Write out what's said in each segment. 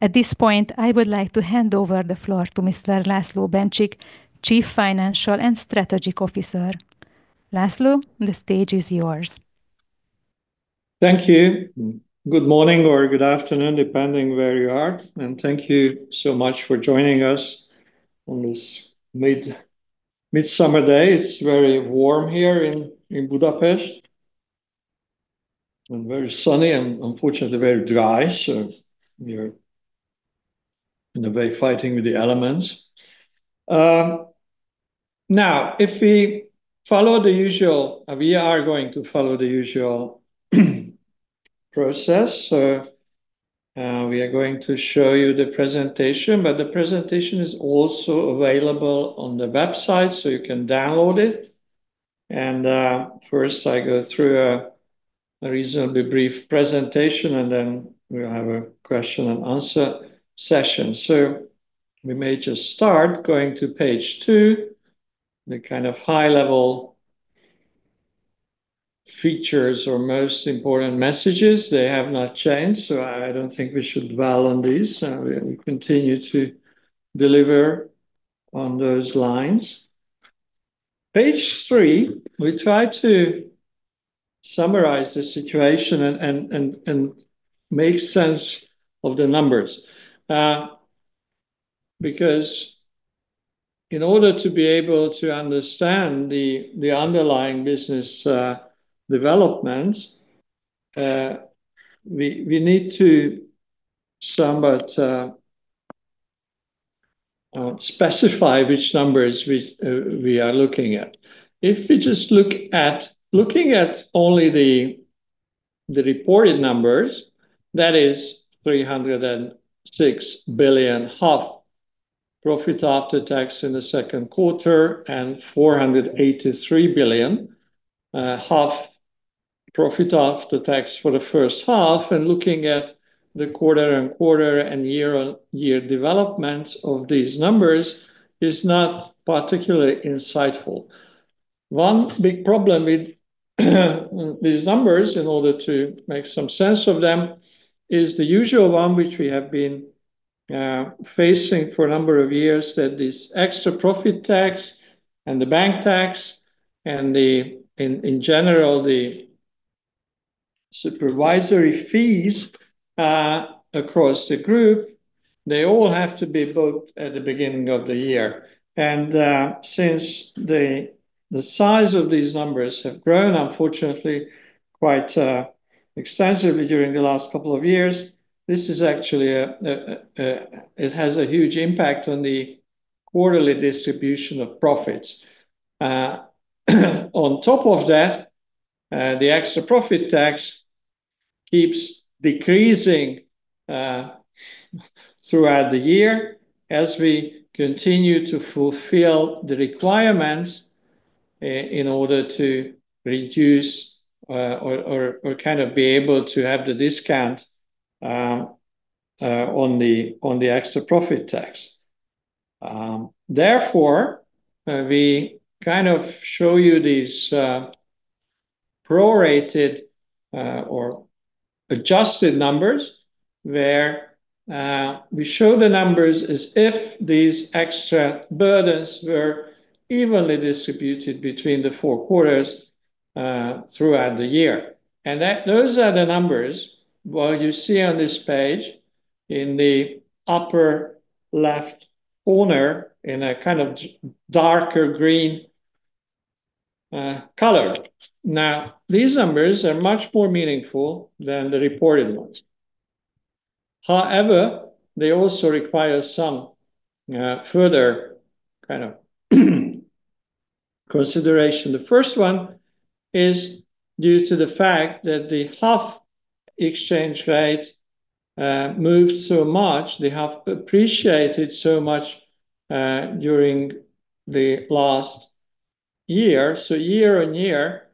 At this point, I would like to hand over the floor to Mr. László Bencsik, Chief Financial and Strategic Officer. László, the stage is yours. Thank you. Good morning or good afternoon, depending where you are, and thank you so much for joining us on this midsummer day. It's very warm here in Budapest and very sunny and unfortunately very dry, we're in a way fighting with the elements. We are going to follow the usual process. We are going to show you the presentation, the presentation is also available on the website, you can download it. First I go through a reasonably brief presentation, then we'll have a question and answer session. We may just start. Going to page two, the kind of high-level features or most important messages, they have not changed, I don't think we should dwell on these. We continue to deliver on those lines. Page three, we try to summarize the situation and make sense of the numbers. In order to be able to understand the underlying business developments, we need to somewhat specify which numbers we are looking at. If we just look at only the reported numbers, that is 306 billion profit after tax in the second quarter, and 483 billion profit after tax for the first half, looking at the quarter-on-quarter and year-on-year developments of these numbers is not particularly insightful. One big problem with these numbers, in order to make some sense of them, is the usual one which we have been facing for a number of years, that this extra profit tax and the bank tax and in general, the supervisory fees across the group, they all have to be booked at the beginning of the year. Since the size of these numbers have grown, unfortunately, quite extensively during the last couple of years, this actually has a huge impact on the quarterly distribution of profits. On top of that, the extra profit tax keeps decreasing throughout the year as we continue to fulfill the requirements in order to reduce or kind of be able to have the discount on the extra profit tax. Therefore, we kind of show you these prorated or adjusted numbers where we show the numbers as if these extra burdens were evenly distributed between the four quarters throughout the year. Those are the numbers what you see on this page in the upper left corner in a kind of darker green color. These numbers are much more meaningful than the reported ones. They also require some further kind of consideration. The first one is due to the fact that the HUF exchange rate moved so much. They have appreciated so much during the last year. Year-on-year,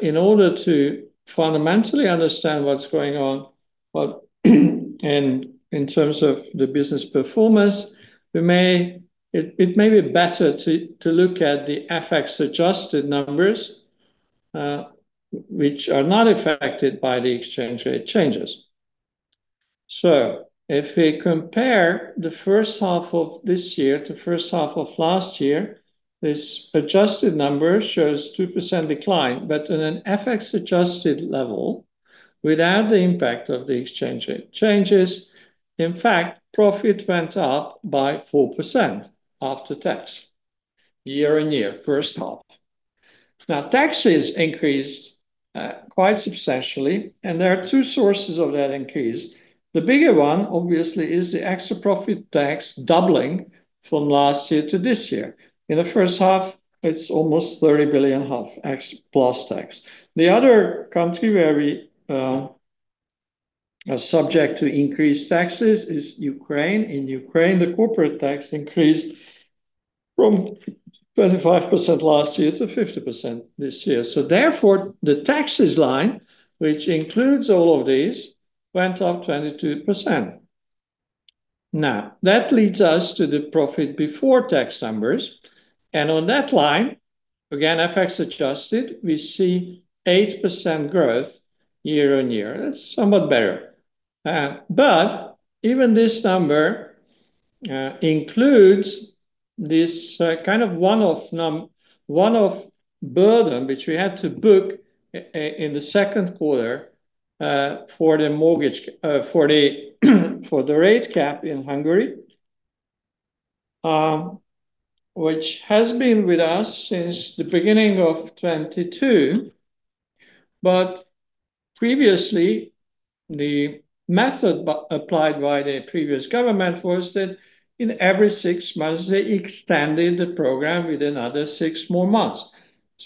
in order to fundamentally understand what's going on in terms of the business performance, it may be better to look at the FX-adjusted numbers, which are not affected by the exchange rate changes. If we compare the first half of this year to first half of last year, this adjusted number shows 2% decline. In an FX-adjusted level, without the impact of the exchange rate changes, in fact, profit went up by 4% after tax year-on-year first half. Taxes increased quite substantially, and there are two sources of that increase. The bigger one, obviously, is the extra profit tax doubling from last year to this year. In the first half, it's almost 30 billion plus tax. The other country where we are subject to increased taxes is Ukraine. In Ukraine, the corporate tax increased from 25% last year to 50% this year. The taxes line, which includes all of these, went up 22%. That leads us to the profit before tax numbers. On that line, again, FX-adjusted, we see 8% growth year-on-year. That's somewhat better. Even this number includes this one-off burden, which we had to book in the second quarter for the rate cap in Hungary which has been with us since the beginning of 2022. Previously, the method applied by the previous government was that in every six months, they extended the program with another six more months.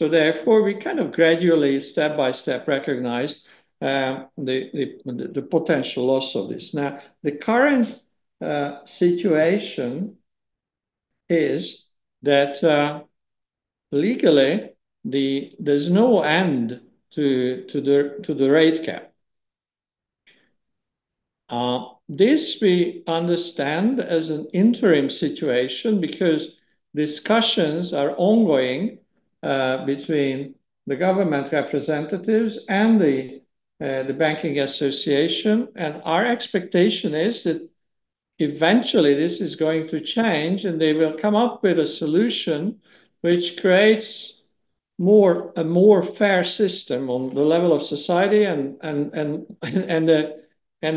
We gradually step by step recognized the potential loss of this. The current situation is that legally there's no end to the rate cap. This we understand as an interim situation because discussions are ongoing between the government representatives and the banking association, and our expectation is that eventually this is going to change, and they will come up with a solution which creates a more fair system on the level of society and the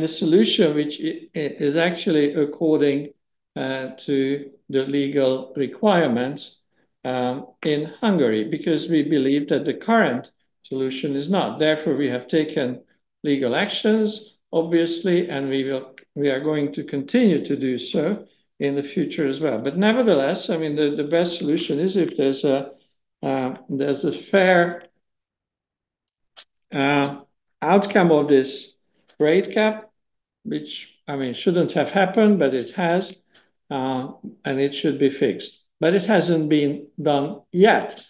solution which is actually according to the legal requirements in Hungary. We believe that the current solution is not. We have taken legal actions, obviously, and we are going to continue to do so in the future as well. Nevertheless, the best solution is if there's a fair outcome of this rate cap, which shouldn't have happened, but it has, and it should be fixed. It hasn't been done yet.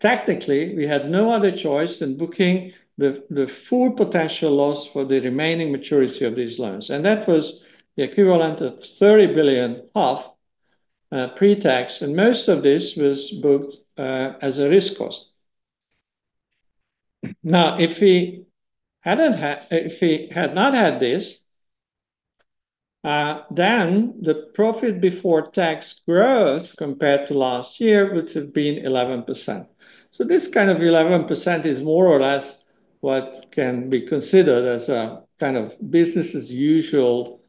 Technically, we had no other choice than booking the full potential loss for the remaining maturity of these loans. That was the equivalent of 30 billion pre-tax, and most of this was booked as a risk cost. If we had not had this, the profit before tax growth compared to last year would have been 11%. This kind of 11% is more or less what can be considered as a business as usual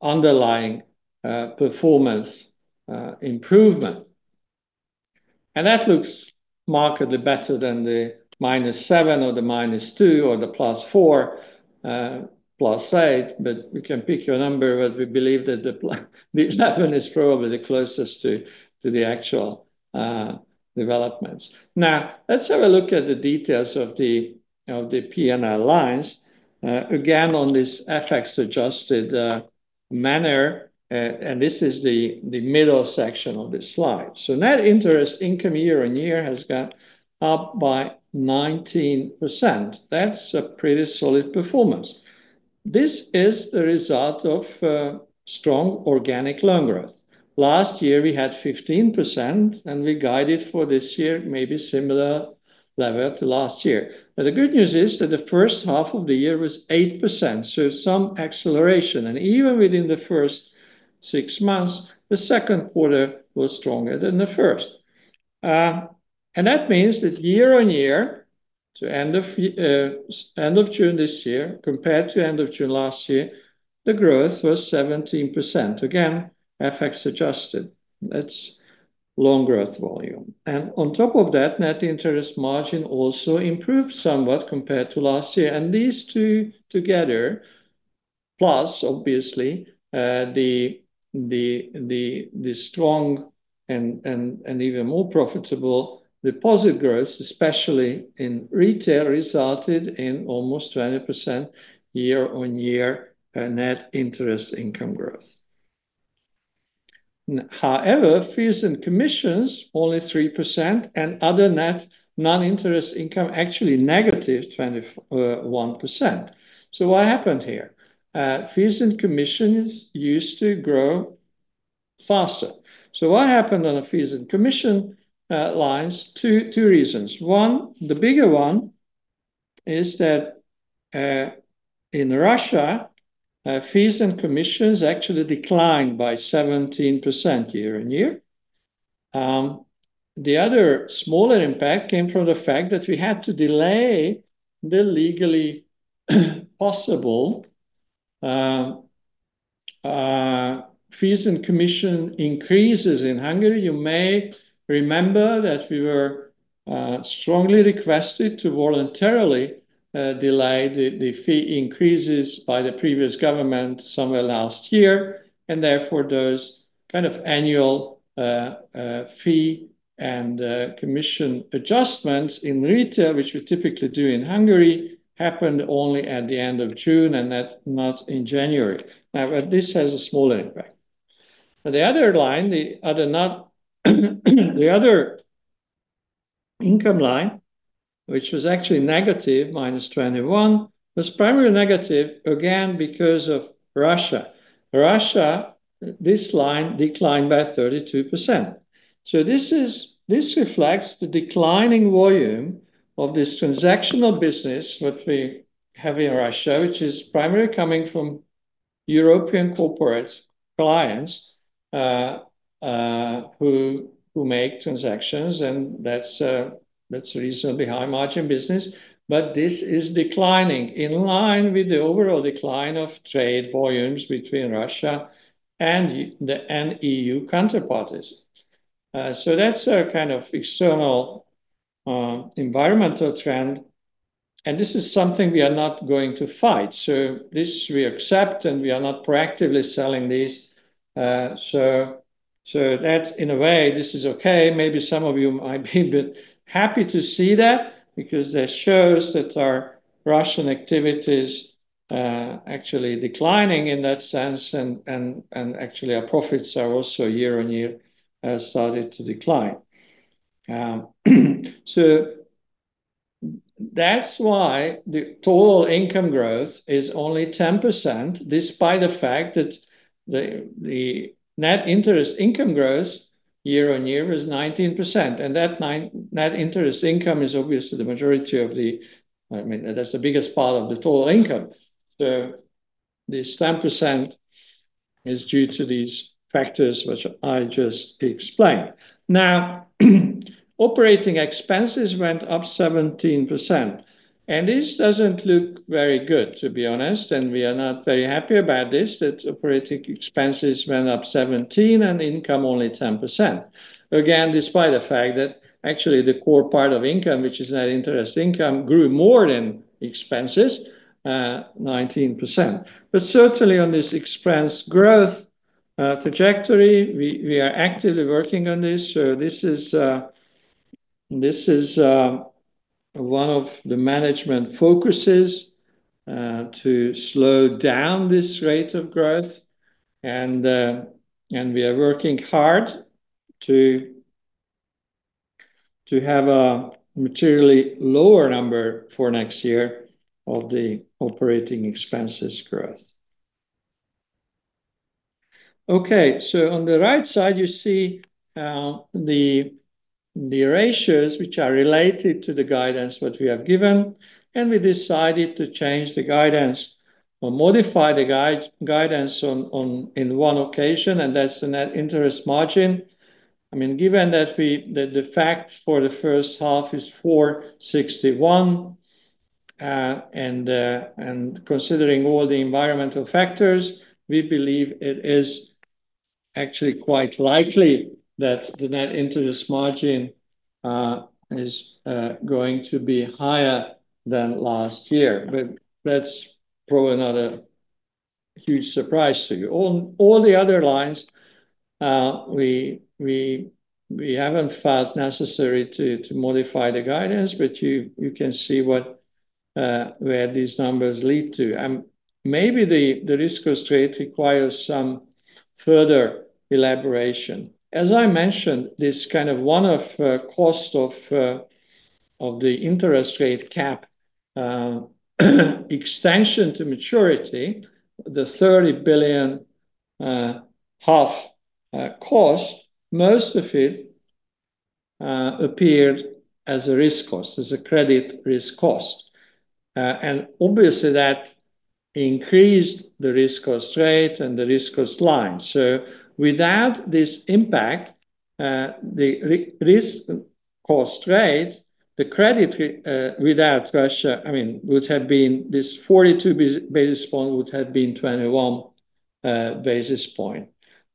underlying performance improvement. That looks markedly better than the -7% or the -2% or the +4%, +8%. You can pick your number, but we believe that the 11 is probably the closest to the actual developments. Let's have a look at the details of the P&L lines again on this FX-adjusted manner, and this is the middle section of this slide. Net interest income year-over-year has gone up by 19%. That's a pretty solid performance. This is the result of strong organic loan growth. Last year we had 15%, and we guided for this year maybe similar level to last year. The good news is that the first half of the year was 8%, some acceleration, and even within the first six months, the second quarter was stronger than the first. That means that year-over-year, to end of June this year compared to end of June last year, the growth was 17%. Again, FX-adjusted. That's loan growth volume. On top of that, net interest margin also improved somewhat compared to last year, and these two together plus obviously the strong and even more profitable deposit growth, especially in retail, resulted in almost 20% year-over-year net interest income growth. Fees and commissions only 3% and other net non-interest income actually -21%. What happened here? Fees and commissions used to grow faster. What happened on the fees and commission lines? Two reasons. One, the bigger one is that in Russia, fees and commissions actually declined by 17% year-over-year. The other smaller impact came from the fact that we had to delay the legally possible fees and commission increases in Hungary. You may remember that we were strongly requested to voluntarily delay the fee increases by the previous government somewhere last year, and therefore those kind of annual fee and commission adjustments in retail, which we typically do in Hungary, happened only at the end of June, not in January. This has a small impact. The other income line, which was actually negative, -21%, was primarily negative, again, because of Russia. Russia, this line declined by 32%. This reflects the declining volume of this transactional business which we have in Russia, which is primarily coming from European corporate clients who make transactions, and that's reasonably high-margin business. This is declining in line with the overall decline of trade volumes between Russia and E.U. counterparties. That's a kind of external environmental trend, and this is something we are not going to fight. This we accept, and we are not proactively selling this. That in a way, this is okay. Maybe some of you might be a bit happy to see that because that shows that our Russian activity's actually declining in that sense. Our profits are also year-over-year started to decline. That's why the total income growth is only 10%, despite the fact that the net interest income growth year-over-year is 19%. That net interest income is obviously the majority of the That's the biggest part of the total income. This 10% is due to these factors which I just explained. Operating expenses went up 17%, and this doesn't look very good, to be honest, and we are not very happy about this, that operating expenses went up 17% and income only 10%. Again, despite the fact that actually the core part of income, which is net interest income, grew more than expenses, 19%. Certainly on this expense growth trajectory, we are actively working on this. This is one of the management focuses, to slow down this rate of growth and we are working hard to have a materially lower number for next year of the operating expenses growth. On the right side, you see the ratios which are related to the guidance that we have given, and we decided to change the guidance or modify the guidance on one occasion, and that's the net interest margin. Given that the fact for the first half is 461, and considering all the environmental factors, we believe it is actually quite likely that the net interest margin is going to be higher than last year. That's probably not a huge surprise to you. On all the other lines, we haven't felt necessary to modify the guidance, you can see where these numbers lead to. Maybe the risk cost rate requires some further elaboration. As I mentioned, this kind of one-off cost of the interest rate cap extension to maturity, the 30 billion cost, most of it appeared as a risk cost, as a credit risk cost. Obviously that increased the risk cost rate and the risk cost line. Without this impact, the risk cost rate, the credit without Russia, this 42 basis point would have been 21 basis point.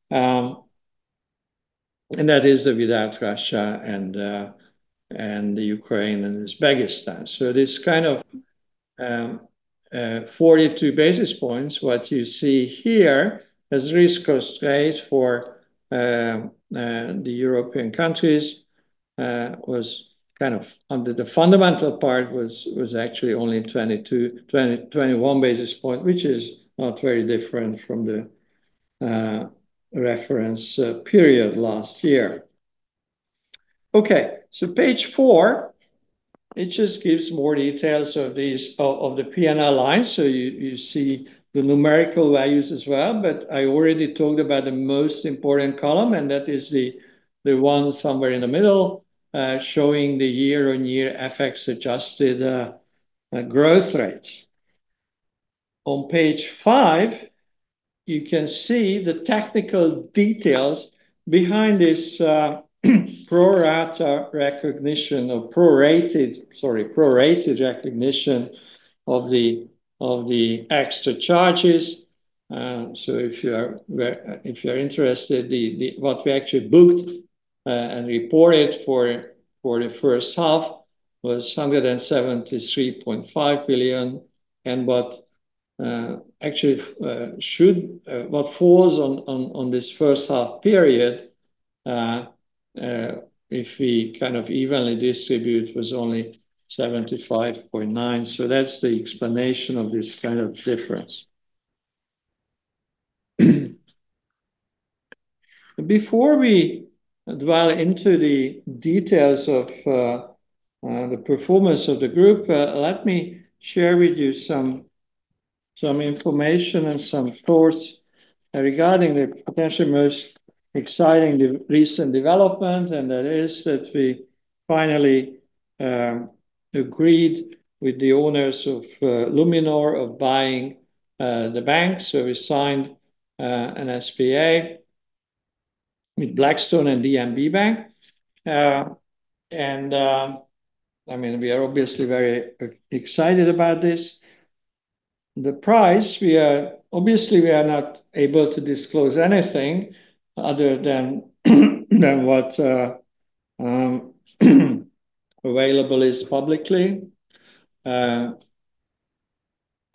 That is without Russia and Ukraine and Uzbekistan. This kind of 42 basis points, what you see here as risk cost rate for the European countries was kind of under the fundamental part was actually only 21 basis point, which is not very different from the reference period last year. Page four, it just gives more details of the P&L line. You see the numerical values as well, but I already talked about the most important column, and that is the one somewhere in the middle, showing the year-on-year FX-adjusted growth rates. On page five, you can see the technical details behind this prorated recognition of the extra charges. If you're interested, what we actually booked and reported for the first half was 173.5 billion and what falls on this first half period, if we kind of evenly distribute, was only 75.9. That's the explanation of this kind of difference. Before we dwell into the details of the performance of the group, let me share with you some information and some thoughts regarding the potential most exciting recent development, and that is that we finally agreed with the owners of Luminor of buying the bank. We signed an SPA with Blackstone and DNB Bank. We are obviously very excited about this. The price, obviously we are not able to disclose anything other than what available is publicly.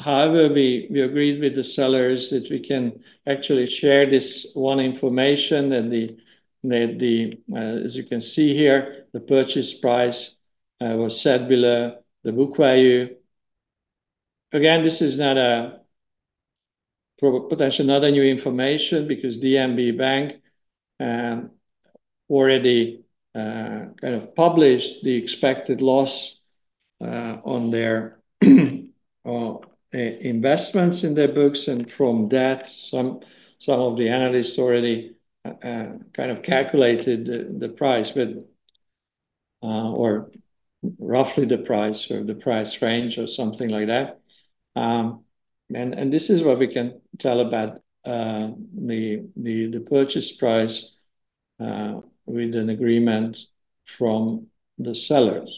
However, we agreed with the sellers that we can actually share this one information, and as you can see here, the purchase price was set below the book value. Again, this is potentially not a new information because DNB Bank already published the expected loss on their investments in their books, and from that, some of the analysts already calculated the price or roughly the price or the price range or something like that. This is what we can tell about the purchase price with an agreement from the sellers.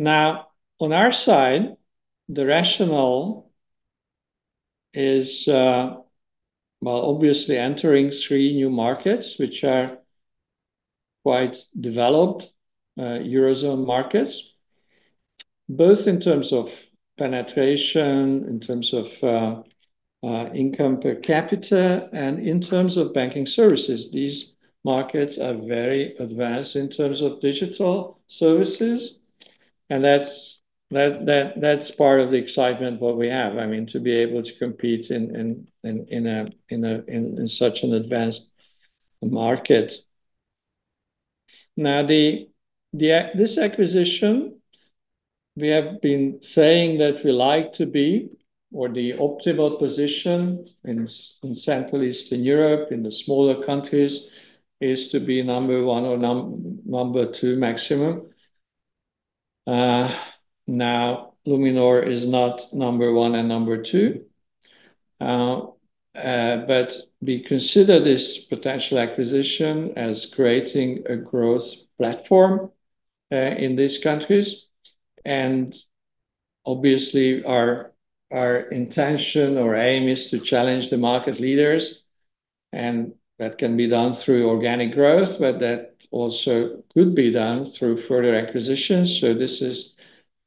On our side, the rationale is, well, obviously entering three new markets, which are quite developed Eurozone markets, both in terms of penetration, in terms of income per capita, and in terms of banking services. These markets are very advanced in terms of digital services, and that's part of the excitement what we have, to be able to compete in such an advanced market. This acquisition, we have been saying that we like to be, or the optimal position in Central Eastern Europe, in the smaller countries, is to be number one or number two maximum. Luminor is not number one and number two, but we consider this potential acquisition as creating a growth platform in these countries. Obviously our intention or aim is to challenge the market leaders, and that can be done through organic growth, but that also could be done through further acquisitions. This is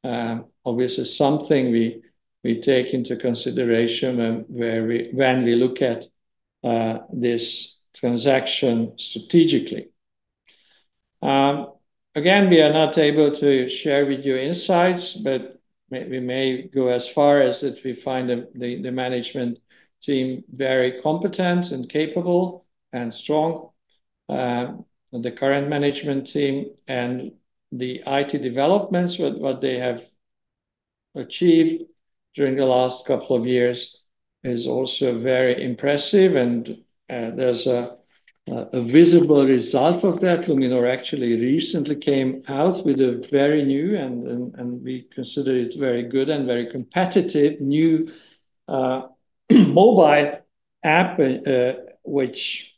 obviously something we take into consideration when we look at this transaction strategically. Again, we are not able to share with you insights, but we may go as far as that we find the management team very competent and capable and strong. The current management team and the IT developments, what they have achieved during the last couple of years is also very impressive and there's a visible result of that. Luminor actually recently came out with a very new, and we consider it very good and very competitive new mobile app, which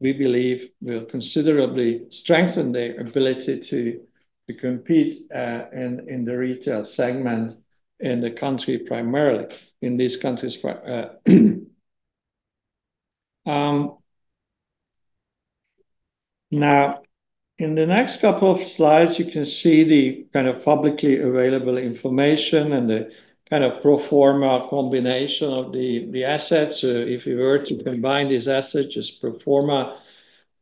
we believe will considerably strengthen the ability to compete in the retail segment in these countries primarily. In the next couple of slides, you can see the publicly available information and the pro forma combination of the assets. If we were to combine these assets as pro forma,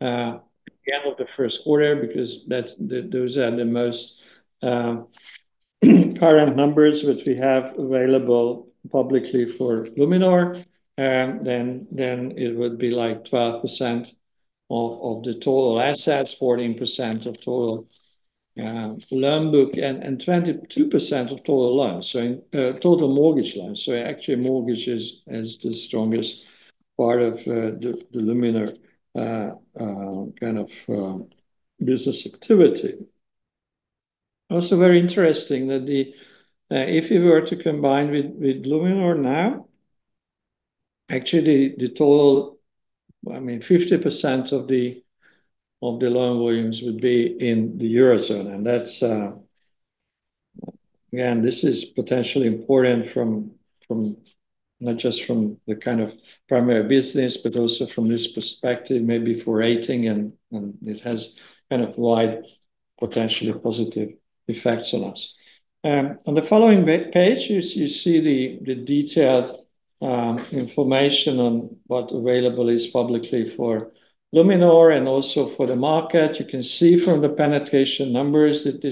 at the end of the first quarter, because those are the most current numbers which we have available publicly for Luminor, it would be like 12% of the total assets, 14% of total loan book, and 22% of total mortgage loans. Actually, mortgage is the strongest part of the Luminor business activity. Also very interesting, that if we were to combine with Luminor now, actually 50% of the loan volumes would be in the Eurozone. Again, this is potentially important not just from the primary business, but also from this perspective, maybe for rating, and it has wide potentially positive effects on us. On the following page, you see the detailed information on what available is publicly for Luminor and also for the market. You can see from the penetration numbers that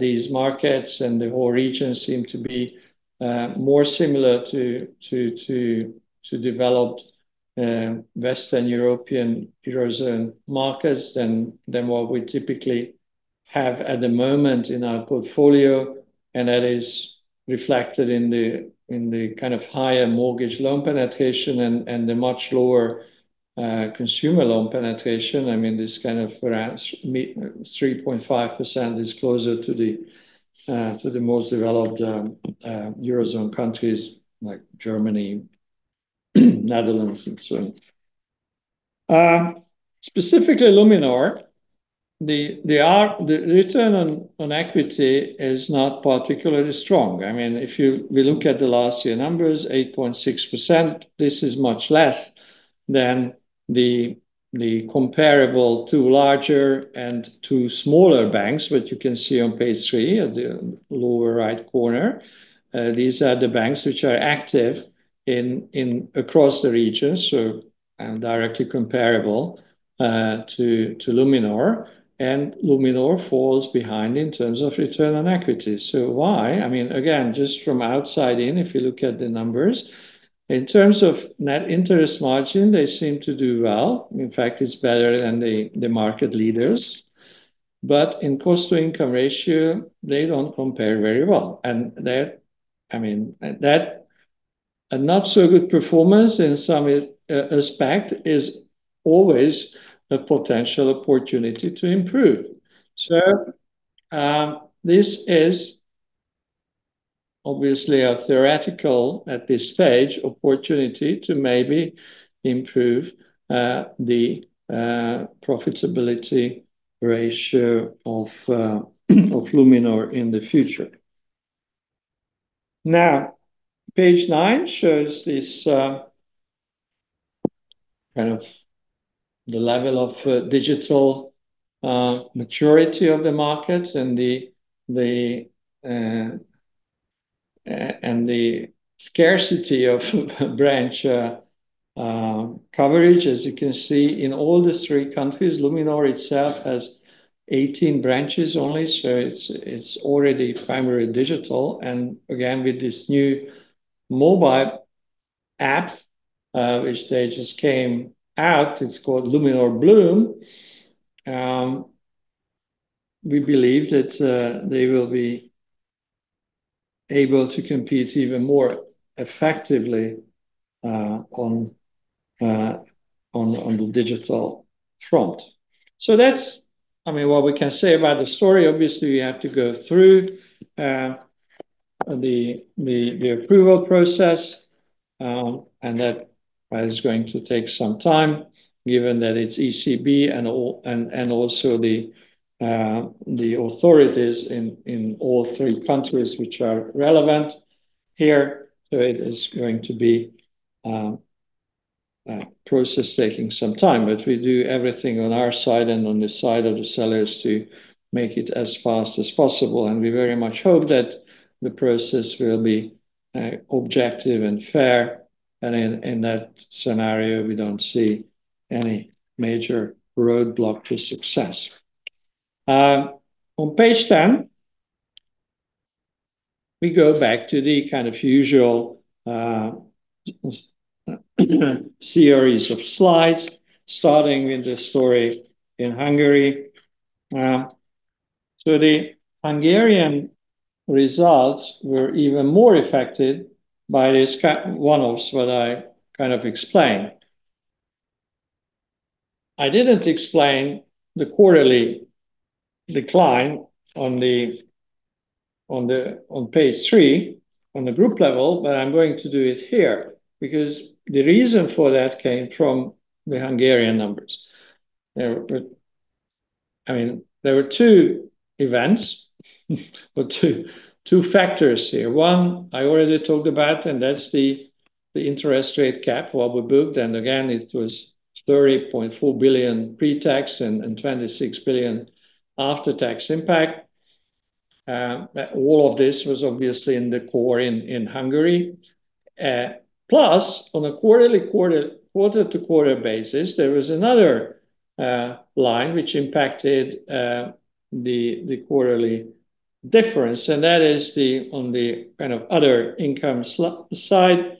These markets and the whole region seem to be more similar to developed Western European Eurozone markets than what we typically have at the moment in our portfolio. That is reflected in the higher mortgage loan penetration and the much lower consumer loan penetration. This kind of around 3.5% is closer to the most developed Eurozone countries like Germany, Netherlands and so on. Specifically, Luminor, the return on equity is not particularly strong. If we look at the last year numbers, 8.6%, this is much less than the comparable two larger and two smaller banks, which you can see on page three at the lower right corner. These are the banks which are active across the region, so directly comparable to Luminor falls behind in terms of return on equity. Why? Just from outside in, if you look at the numbers, in terms of net interest margin, they seem to do well. In fact, it's better than the market leaders. In cost-to-income ratio, they don't compare very well. That not so good performance in some aspect is always a potential opportunity to improve. This is obviously a theoretical, at this stage, opportunity to maybe improve the profitability ratio of Luminor in the future. Page nine shows this kind of the level of digital maturity of the market and the scarcity of branch coverage. As you can see, in all the three countries, Luminor itself has 18 branches only, so it's already primary digital. Again, with this new mobile app which they just came out, it's called Luminor Bloom. We believe that they will be able to compete even more effectively on the digital front. That's what we can say about the story. Obviously, we have to go through the approval process, and that is going to take some time, given that it's ECB and also the authorities in all three countries which are relevant here. It is going to be a process taking some time. We do everything on our side and on the side of the sellers to make it as fast as possible. We very much hope that the process will be objective and fair. In that scenario, we don't see any major roadblock to success. On page 10, we go back to the kind of usual series of slides starting with the story in Hungary. The Hungarian results were even more affected by these one-offs that I kind of explained. I didn't explain the quarterly decline on page three on the group level, I'm going to do it here because the reason for that came from the Hungarian numbers. There were two events or two factors here. One I already talked about, that's the interest rate cap, what we booked. Again, it was 30.4 billion pre-tax and 26 billion after-tax impact. All of this was obviously in the core in Hungary. On a quarter-to-quarter basis, there was another line which impacted the quarterly difference, that is on the kind of other income slide,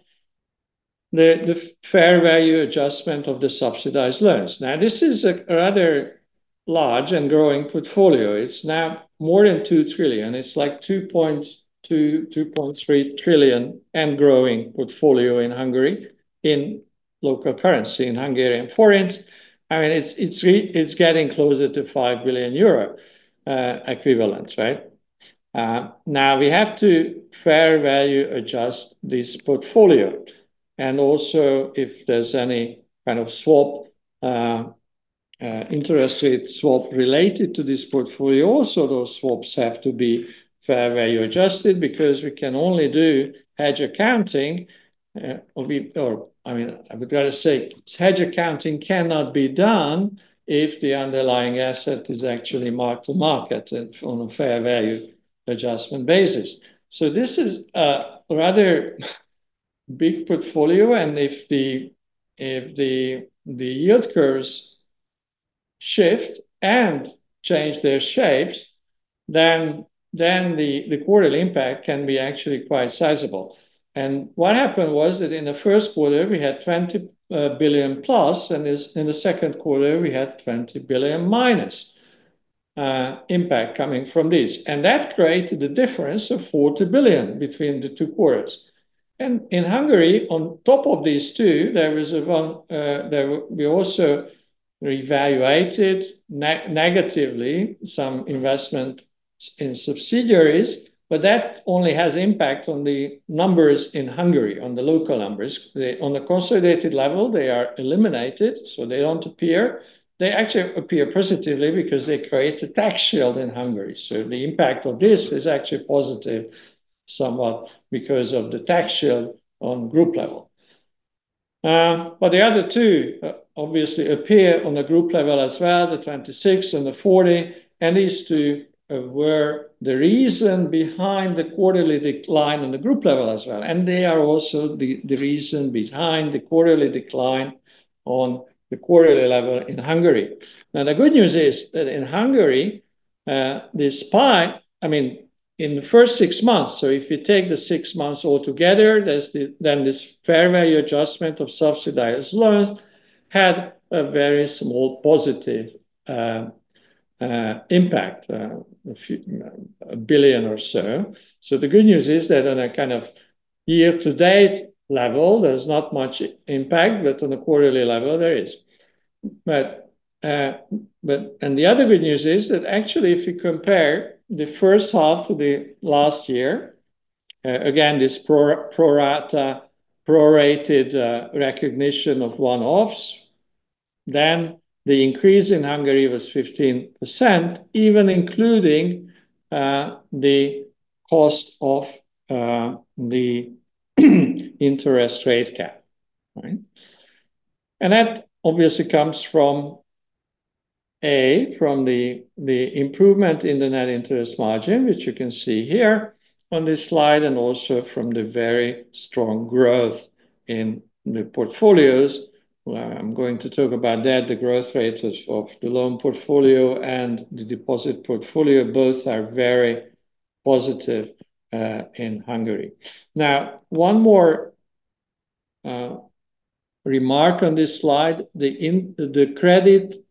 the fair value adjustment of the subsidized loans. This is a rather large and growing portfolio. It's now more than 2 trillion. It's like 2.2 trillion, 2.3 trillion and growing portfolio in Hungary in local currency, in Hungarian forints. It's getting closer to 5 billion euro equivalent. We have to fair value adjust this portfolio. Also if there's any kind of swap, interest rate swap related to this portfolio, also those swaps have to be fair value adjusted, because we can only do hedge accounting. I would rather say hedge accounting cannot be done if the underlying asset is actually marked to market and on a fair value adjustment basis. This is a rather big portfolio, if the yield curves shift and change their shapes, the quarterly impact can be actually quite sizable. What happened was that in the first quarter we had 20 billion+, in the second quarter we had 20 billion minus impact coming from this, that created the difference of 40 billion between the two quarters. In Hungary, on top of these two, we also reevaluated negatively some investment in subsidiaries, but that only has impact on the numbers in Hungary, on the local numbers. On the consolidated level, they are eliminated, so they don't appear. They actually appear positively because they create a tax shield in Hungary. The impact of this is actually positive somewhat because of the tax shield on group level. The other two obviously appear on the group level as well, the 26 and the 40, and these two were the reason behind the quarterly decline on the group level as well. They are also the reason behind the quarterly decline on the quarterly level in Hungary. The good news is that in Hungary, in the first six months, if you take the six months all together, this fair value adjustment of subsidized loans had a very small positive impact, a 1 billion or so. The good news is that on a kind of year to date level, there's not much impact, but on a quarterly level there is. The other good news is that actually if you compare the first half to the last year, again, this prorated recognition of one-offs, the increase in Hungary was 15%, even including the cost of the interest rate cap. Right? That obviously comes from, A, from the improvement in the net interest margin, which you can see here on this slide, and also from the very strong growth in the portfolios. I'm going to talk about that. The growth rates of the loan portfolio and the deposit portfolio, both are very positive in Hungary. One more remark on this slide. The credit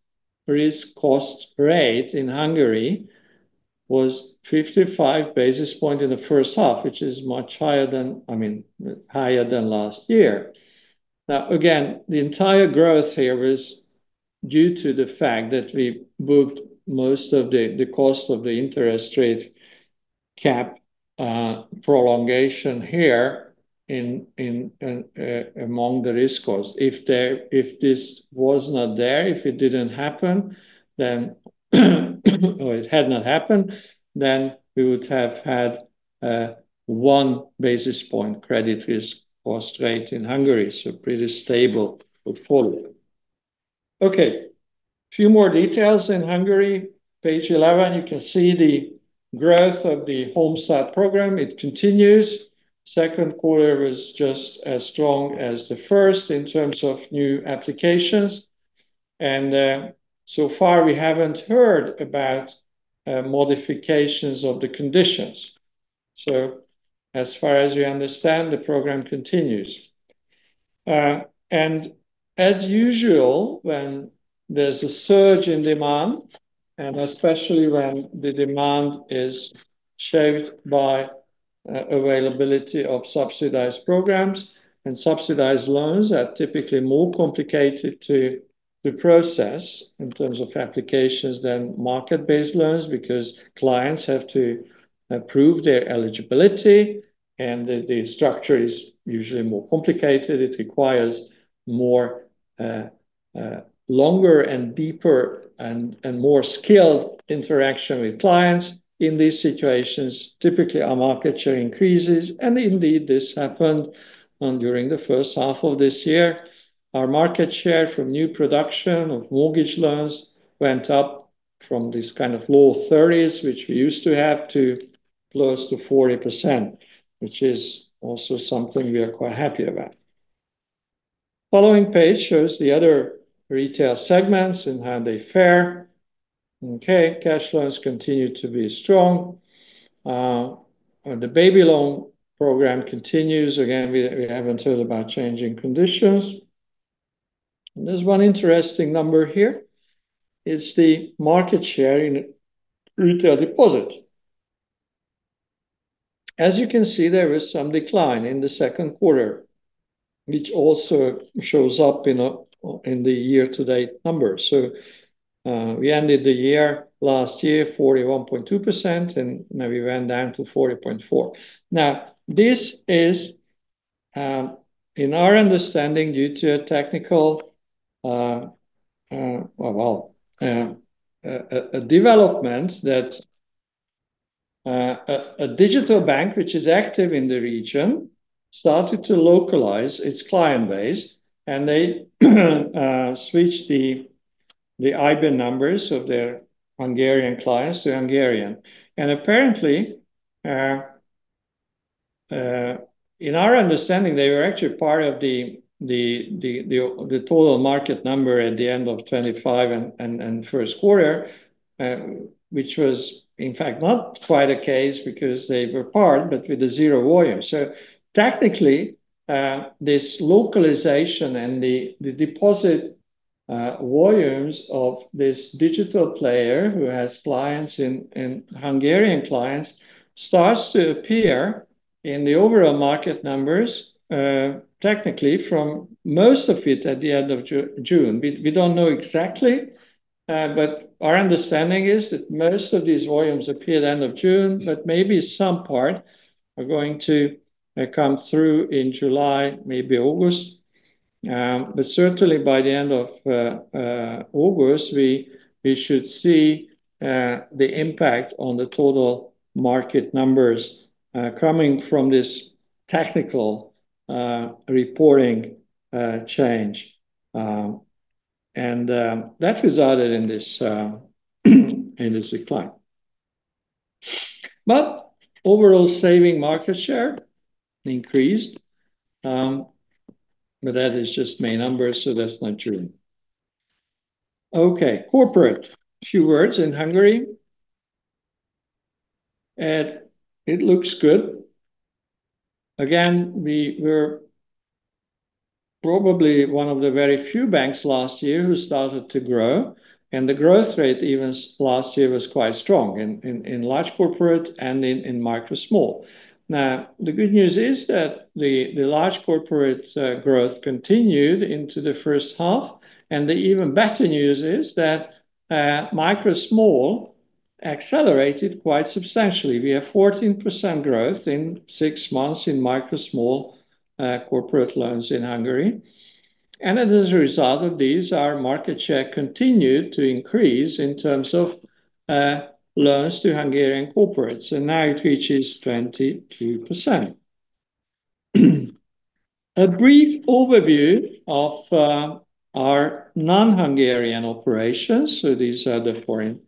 risk cost rate in Hungary was 55 basis point in the first half, which is much higher than last year. Again, the entire growth here is due to the fact that we booked most of the cost of the interest rate cap prolongation here among the risk cost. If this was not there, if it didn't happen then or it had not happened, then we would have had one basis point credit risk cost rate in Hungary. Pretty stable portfolio. Few more details in Hungary. Page 11, you can see the growth of the Home Start Program. It continues. Second quarter was just as strong as the first in terms of new applications, so far we haven't heard about modifications of the conditions. As far as we understand, the program continues. As usual, when there's a surge in demand, especially when the demand is shaped by availability of subsidized programs and subsidized loans are typically more complicated to process in terms of applications than market-based loans because clients have to prove their eligibility and the structure is usually more complicated. It requires longer and deeper, and more skilled interaction with clients. In these situations, typically our market share increases, and indeed, this happened during the first half of this year. Our market share from new production of mortgage loans went up from this kind of low 30s, which we used to have to close to 40%, which is also something we are quite happy about. Following page shows the other retail segments and how they fare. Okay. Cash loans continue to be strong. The Baby Loan program continues. Again, we haven't heard about changing conditions. There's one interesting number here. It's the market share in retail deposit. As you can see, there is some decline in the second quarter, which also shows up in the year to date numbers. We ended the year last year 41.2%, and now we went down to 40.4%. This is, in our understanding, due to a technical development that a digital bank which is active in the region started to localize its client base and they switched the IBAN numbers of their Hungarian clients to Hungarian. Apparently, in our understanding, they were actually part of the total market number at the end of 2025 and first quarter, which was in fact not quite the case because they were part, but with a zero volume. Technically, this localization and the deposit volumes of this digital player who has clients and Hungarian clients starts to appear in the overall market numbers, technically from most of it at the end of June. We don't know exactly, but our understanding is that most of these volumes appear at end of June, but maybe some part are going to come through in July, maybe August. Certainly by the end of August, we should see the impact on the total market numbers coming from this technical reporting change. That resulted in this decline. Overall saving market share increased. That is just main numbers, that's not true. Okay. Corporate, a few words in Hungary. It looks good. Again, we were probably one of the very few banks last year who started to grow, and the growth rate even last year was quite strong in large corporate and in micro small. The good news is that the large corporate growth continued into the first half. The even better news is that micro small accelerated quite substantially. We have 14% growth in six months in micro small corporate loans in Hungary. As a result of this, our market share continued to increase in terms of loans to Hungarian corporates, and now it reaches 22%. A brief overview of our non-Hungarian operations. These are the foreign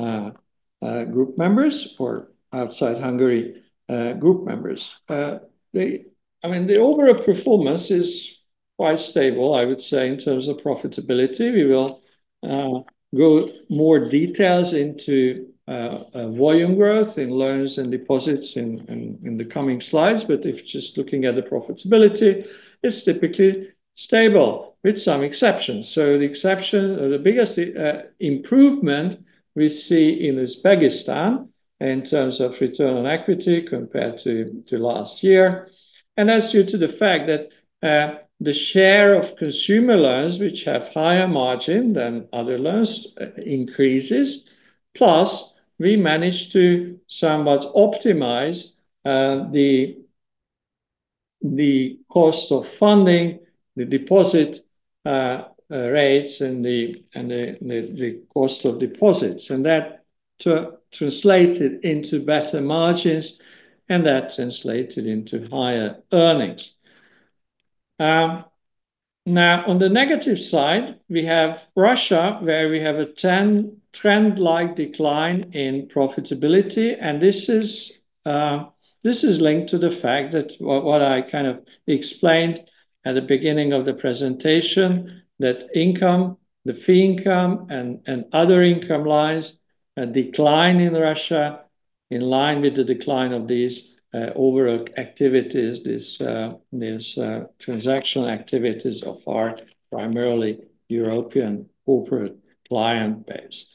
group members or outside Hungary group members. The overall performance is quite stable, I would say, in terms of profitability. We will go more details into volume growth in loans and deposits in the coming slides. If just looking at the profitability, it's typically stable with some exceptions. The exception or the biggest improvement we see in Uzbekistan in terms of return on equity compared to last year, and that's due to the fact that the share of consumer loans which have higher margin than other loans increases. Plus, we managed to somewhat optimize the cost of funding, the deposit rates, and the cost of deposits. That translated into better margins, and that translated into higher earnings. On the negative side, we have Russia, where we have a trend-like decline in profitability. This is linked to the fact that what I kind of explained at the beginning of the presentation, that the fee income and other income lines decline in Russia in line with the decline of these overall activities, these transactional activities of our primarily European corporate client base.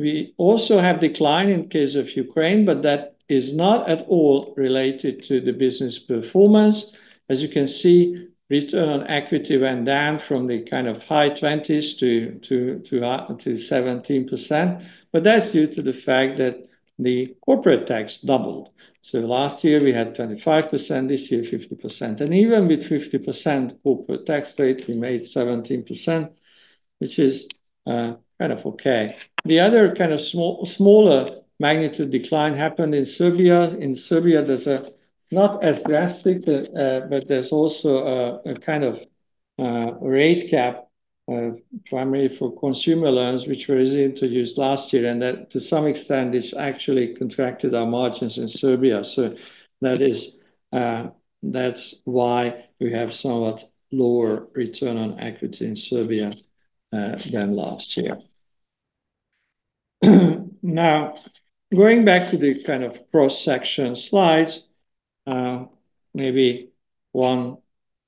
We also have decline in case of Ukraine, but that is not at all related to the business performance. As you can see, return on equity went down from the kind of high 20s to 17%, but that is due to the fact that the corporate tax doubled. Last year we had 25%, this year 50%. Even with 50% corporate tax rate, we made 17%, which is kind of okay. The other kind of smaller magnitude decline happened in Serbia. In Serbia, there is a not as drastic, but there is also a kind of rate cap primarily for consumer loans, which were introduced last year, and that to some extent it is actually contracted our margins in Serbia. That is why we have somewhat lower return on equity in Serbia than last year. Going back to the kind of cross-section slides, maybe one,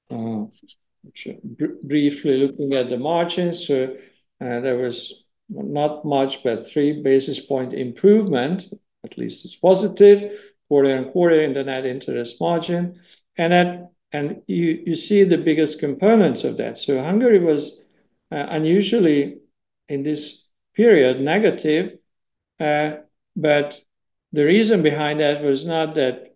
briefly looking at the margins. There was not much, but three basis point improvement, at least it is positive quarter-on-quarter in the net interest margin, and you see the biggest components of that. Hungary was unusually in this period negative. The reason behind that was not that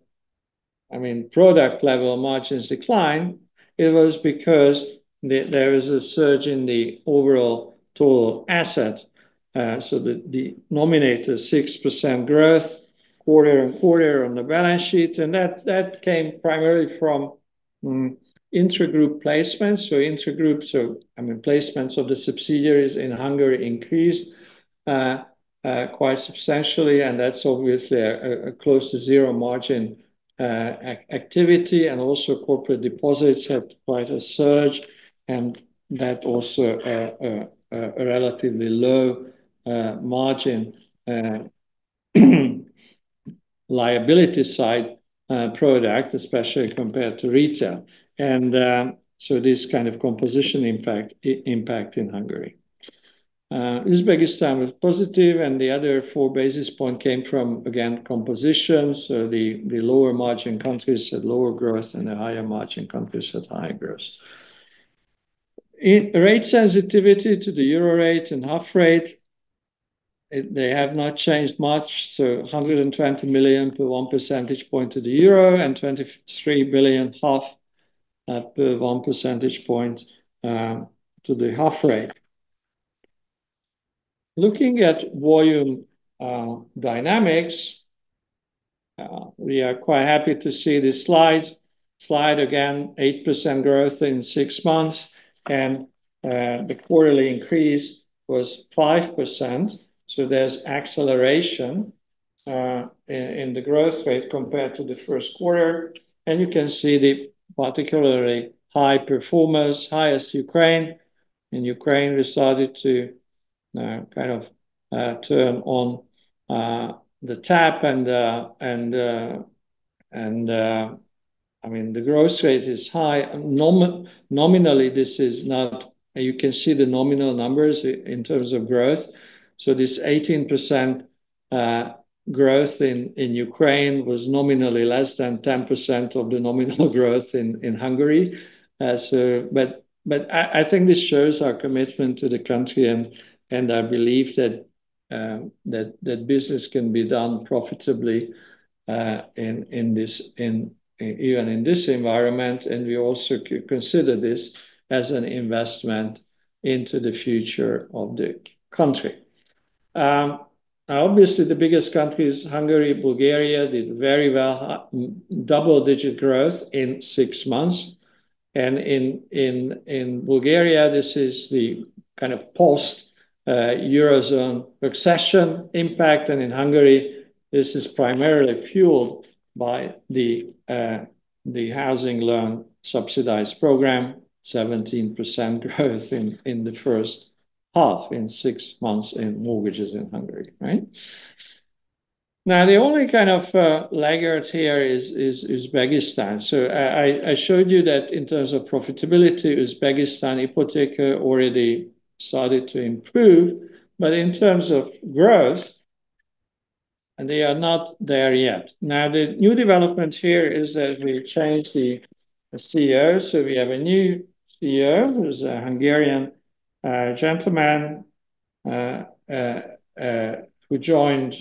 product level margins decline, it was because there is a surge in the overall total assets. The nominator 6% growth quarter-on-quarter on the balance sheet, and that came primarily from intra-group placements. Intra-group placements of the subsidiaries in Hungary increased quite substantially, and that is obviously a close to zero margin activity. Also corporate deposits have quite a surge and that also a relatively low margin liability side product, especially compared to retail. This kind of composition impact in Hungary. Uzbekistan was positive and the other four basis point came from, again, composition. The lower margin countries had lower growth, and the higher margin countries had higher growth. Rate sensitivity to the euro rate and HUF rate, they have not changed much. 120 million per 1 percentage point to the euro and 23 billion per 1 percentage point to the HUF rate. Looking at volume dynamics, we are quite happy to see this slide. Slide again, 8% growth in six months and the quarterly increase was 5%. There is acceleration in the growth rate compared to the first quarter. You can see the particularly high performers, highest Ukraine. Ukraine started to kind of turn on the tap and the growth rate is high. You can see the nominal numbers in terms of growth. This 18% growth in Ukraine was nominally less than 10% of the nominal growth in Hungary. I think this shows our commitment to the country, and I believe that business can be done profitably even in this environment, and we also consider this as an investment into the future of the country. Obviously the biggest country is Hungary. Bulgaria did very well, double-digit growth in six months. In Bulgaria, this is the kind of post-eurozone accession impact. In Hungary, this is primarily fueled by the housing loan subsidized program, 17% growth in the first half in six months in mortgages in Hungary, right? The only kind of laggard here is Uzbekistan. I showed you that in terms of profitability, Uzbekistan, Ipoteka already started to improve. In terms of growth, they are not there yet. The new development here is that we changed the CEO. We have a new CEO who is a Hungarian gentleman who joined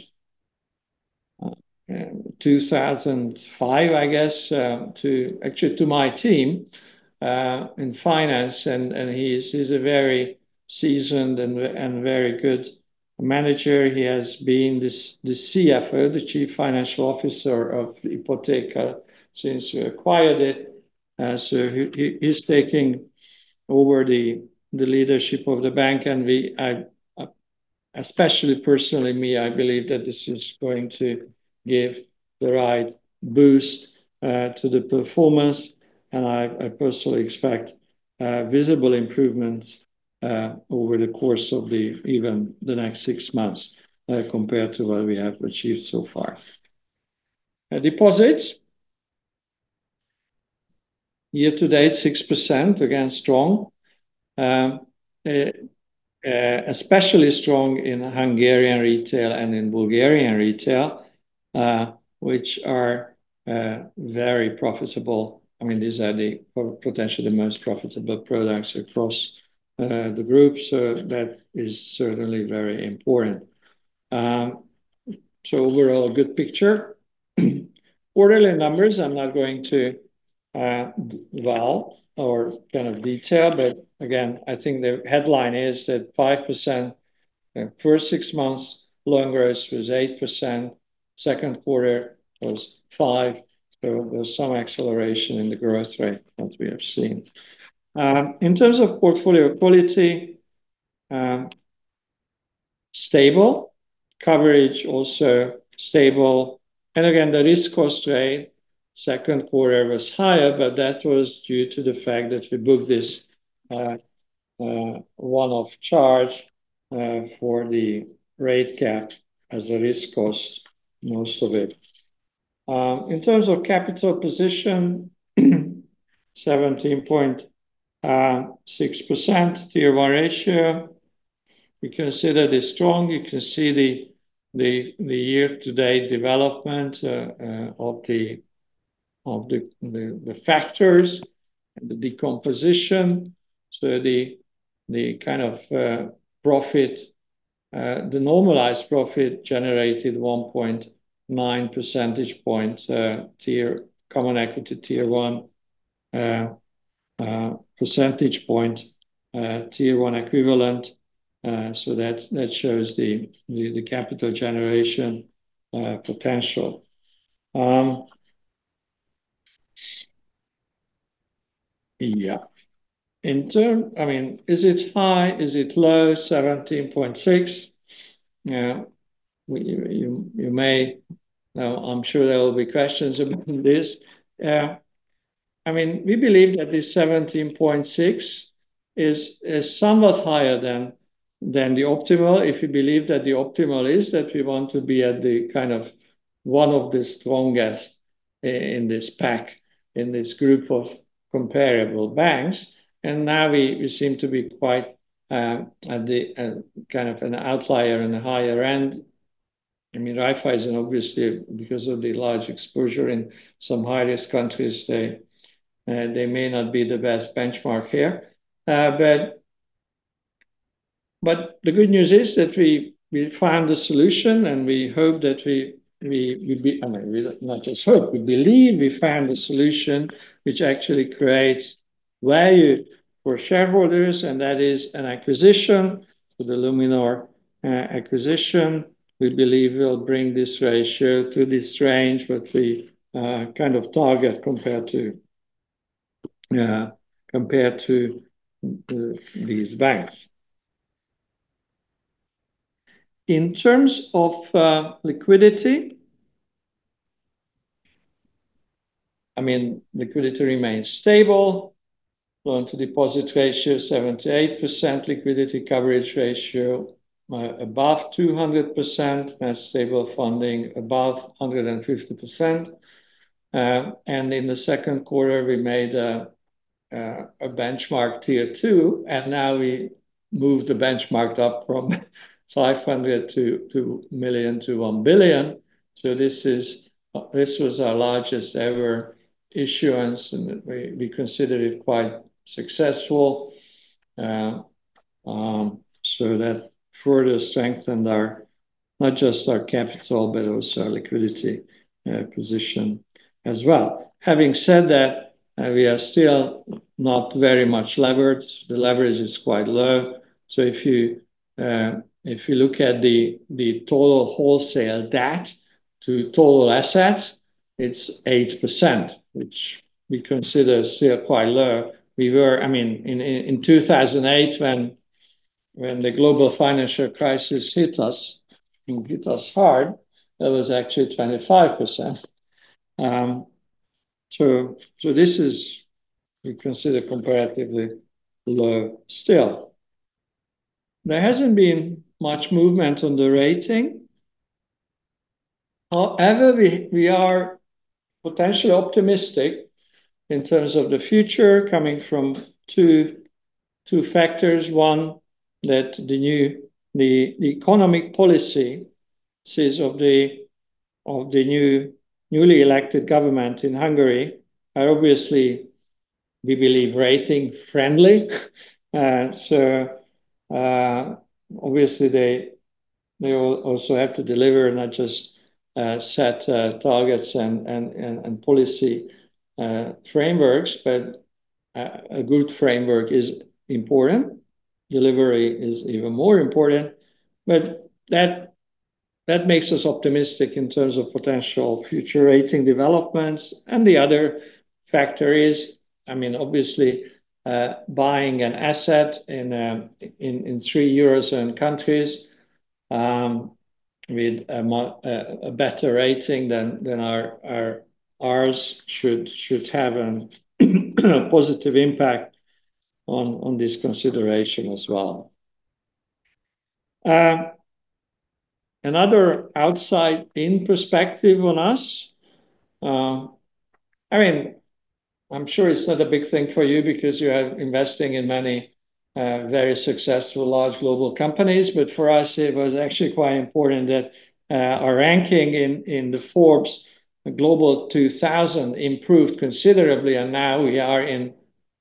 in 2005, I guess, actually to my team in finance, and he is a very seasoned and very good manager. He has been the CFO, the Chief Financial Officer of Ipoteka since we acquired it. He is taking over the leadership of the bank, and especially personally me, I believe that this is going to give the right boost to the performance. I personally expect visible improvements over the course of even the next six months compared to what we have achieved so far. Deposits year-to-date, 6%, again, strong. Especially strong in Hungarian retail and in Bulgarian retail, which are very profitable. These are potentially the most profitable products across the group, that is certainly very important. Overall, a good picture. Quarterly numbers, I am not going to vow or kind of detail. Again, I think the headline is that 5% first six months loan growth was 8%, second quarter was 5%, there was some acceleration in the growth rate that we have seen. In terms of portfolio quality stable. Coverage also stable. Again, the credit risk cost rate second quarter was higher, that was due to the fact that we booked this one-off charge for the rate cap as a risk cost, most of it. In terms of capital position 17.6% tier 1 ratio. You can see that it is strong. You can see the year-to-date development of the factors and the decomposition. The kind of profit, the normalized profit generated 1.9 percentage points common equity tier 1 percentage point tier 1 equivalent. That shows the capital generation potential. Is it high? Is it low, 17.6%? I am sure there will be questions about this. We believe that this 17.6% is somewhat higher than the optimal. If you believe that the optimal is that we want to be one of the strongest in this pack, in this group of comparable banks, now we seem to be quite an outlier in the higher end. Raiffeisen, obviously, because of the large exposure in some high-risk countries, they may not be the best benchmark here. The good news is that we found a solution, and we hope that we. Not just hope. We believe we found a solution which actually creates value for shareholders, that is an acquisition. The Luminor acquisition, we believe, will bring this ratio to this range that we target compared to these banks. In terms of liquidity. Liquidity remains stable. Loan-to-deposit ratio 78%, liquidity coverage ratio above 200%, and stable funding above 150%. In the second quarter, we made a benchmark tier 2, and now we moved the benchmark up from $500 million to $1 billion. This was our largest ever issuance, and we consider it quite successful. That further strengthened not just our capital, but also our liquidity position as well. Having said that, we are still not very much leveraged. The leverage is quite low. If you look at the total wholesale debt to total assets, it's 8%, which we consider still quite low. In 2008, when the global financial crisis hit us, and hit us hard, that was actually 25%. This is we consider comparatively low still. There hasn't been much movement on the rating. However, we are potentially optimistic in terms of the future coming from two factors. One, that the economic policies of the newly elected government in Hungary are obviously, we believe, rating-friendly. Obviously they also have to deliver, not just set targets and policy frameworks. A good framework is important. Delivery is even more important. That makes us optimistic in terms of potential future rating developments. The other factor is, obviously, buying an asset in three Eurozone countries with a better rating than ours should have a positive impact on this consideration as well. Another outside-in perspective on us. I'm sure it's not a big thing for you because you are investing in many very successful large global companies. But for us, it was actually quite important that our ranking in the Forbes Global 2000 improved considerably, and now we are in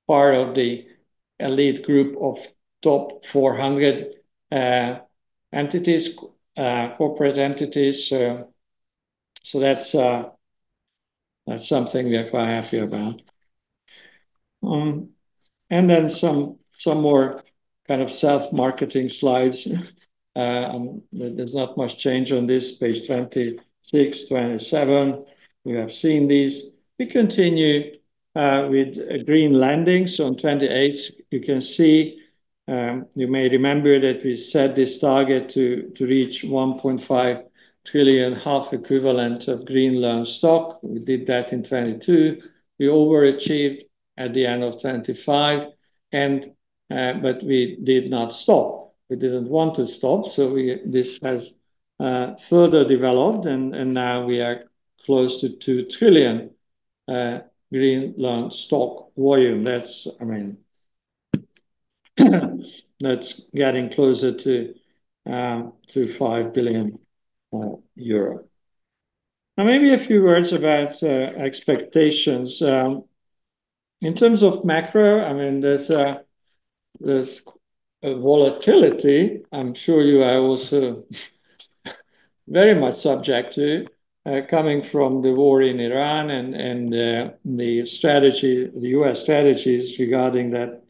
part of the elite group of top 400 corporate entities. That's something we are quite happy about. Some more kind of self-marketing slides. There's not much change on this page 26, 27. We have seen these. We continue with green lending. On 28, you can see, you may remember that we set this target to reach 1.5 trillion equivalent of green loan stock. We did that in 2022. We overachieved at the end of 2025, but we did not stop. We didn't want to stop. This has further developed, and now we are close to 2 trillion green loan stock volume. That's getting closer to 5 billion euro. Maybe a few words about expectations. In terms of macro, There's a volatility, I'm sure you are also very much subject to, coming from the war in Iran and the U.S. strategies regarding that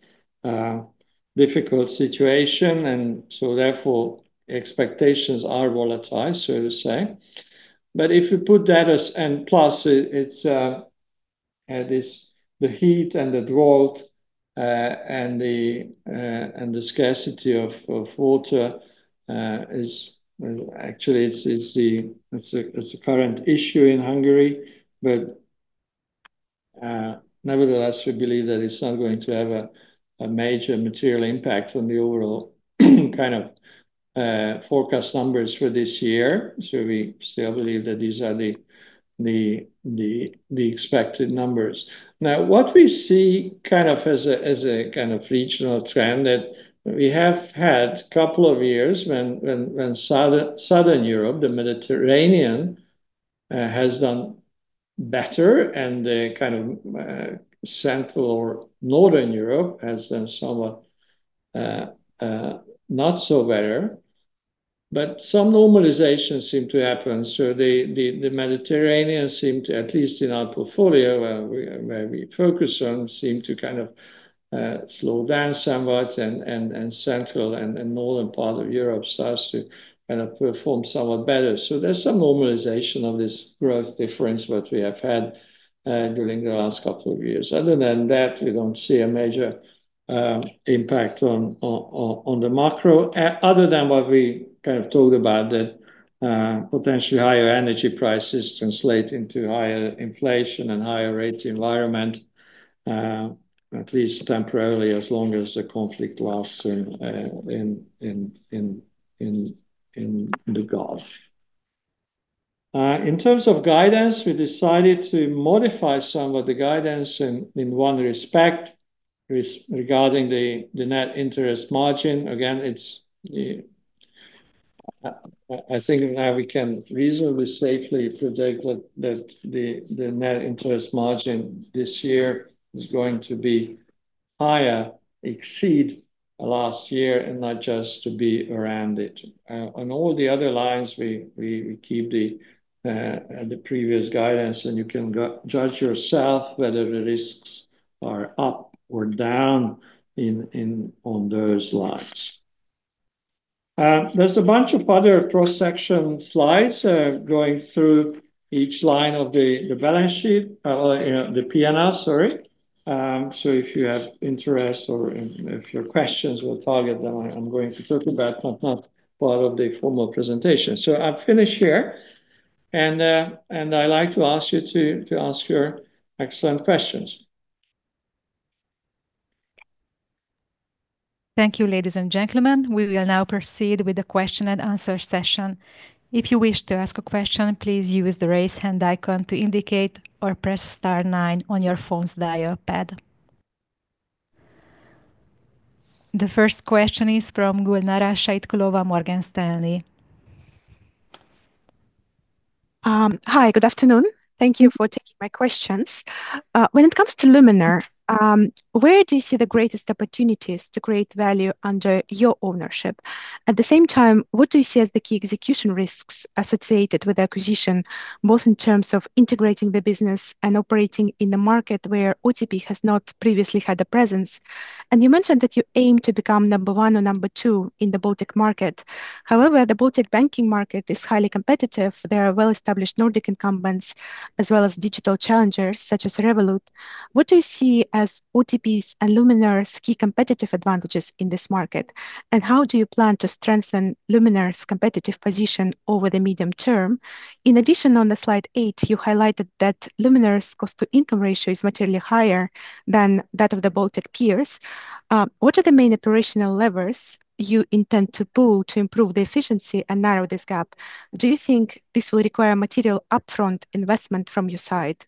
difficult situation. Therefore, expectations are volatile, so to say. Plus, it's the heat and the drought, and the scarcity of water, actually, it's a current issue in Hungary. Nevertheless, we believe that it's not going to have a major material impact on the overall kind of forecast numbers for this year. We still believe that these are the expected numbers. What we see as a kind of regional trend that we have had couple of years when Southern Europe, the Mediterranean, has done better and the kind of Central or Northern Europe has done somewhat not so better, but some normalization seem to happen. The Mediterranean seem to, at least in our portfolio where we focus on, seem to kind of slow down somewhat and Central and Northern part of Europe starts to kind of perform somewhat better. There's some normalization of this growth difference what we have had during the last couple of years. Other than that, we don't see a major impact on the macro, other than what we kind of talked about, that potentially higher energy prices translate into higher inflation and higher rate environment, at least temporarily, as long as the conflict lasts in the Gulf. In terms of guidance, we decided to modify some of the guidance in one respect regarding the Net interest margin. Again, I think now we can reasonably safely predict that the Net interest margin this year is going to be higher, exceed last year, and not just to be around it. On all the other lines, we keep the previous guidance, and you can judge yourself whether the risks are up or down on those lines. There's a bunch of other cross-section slides going through each line of the balance sheet or the P&L, sorry. If you have interest or if your questions will target them, I'm going to talk about that part of the formal presentation. I'll finish here, and I'd like to ask you to ask your excellent questions. Thank you, ladies and gentlemen. We will now proceed with the question-and-answer session. If you wish to ask a question, please use the raise hand icon to indicate or press star nine on your phone's dial pad. The first question is from Gulnara Saitkulova, Morgan Stanley. Hi, good afternoon. Thank you for taking my questions. When it comes to Luminor, where do you see the greatest opportunities to create value under your ownership? At the same time, what do you see as the key execution risks associated with the acquisition, both in terms of integrating the business and operating in the market where OTP has not previously had a presence? You mentioned that you aim to become number one or number two in the Baltic market. However, the Baltic banking market is highly competitive. There are well-established Nordic incumbents as well as digital challengers such as Revolut. What do you see as OTP's and Luminor's key competitive advantages in this market, and how do you plan to strengthen Luminor's competitive position over the medium term? In addition, on slide eight, you highlighted that Luminor's cost-to-income ratio is materially higher than that of the Baltic peers. What are the main operational levers you intend to pull to improve the efficiency and narrow this gap? Do you think this will require material upfront investment from your side?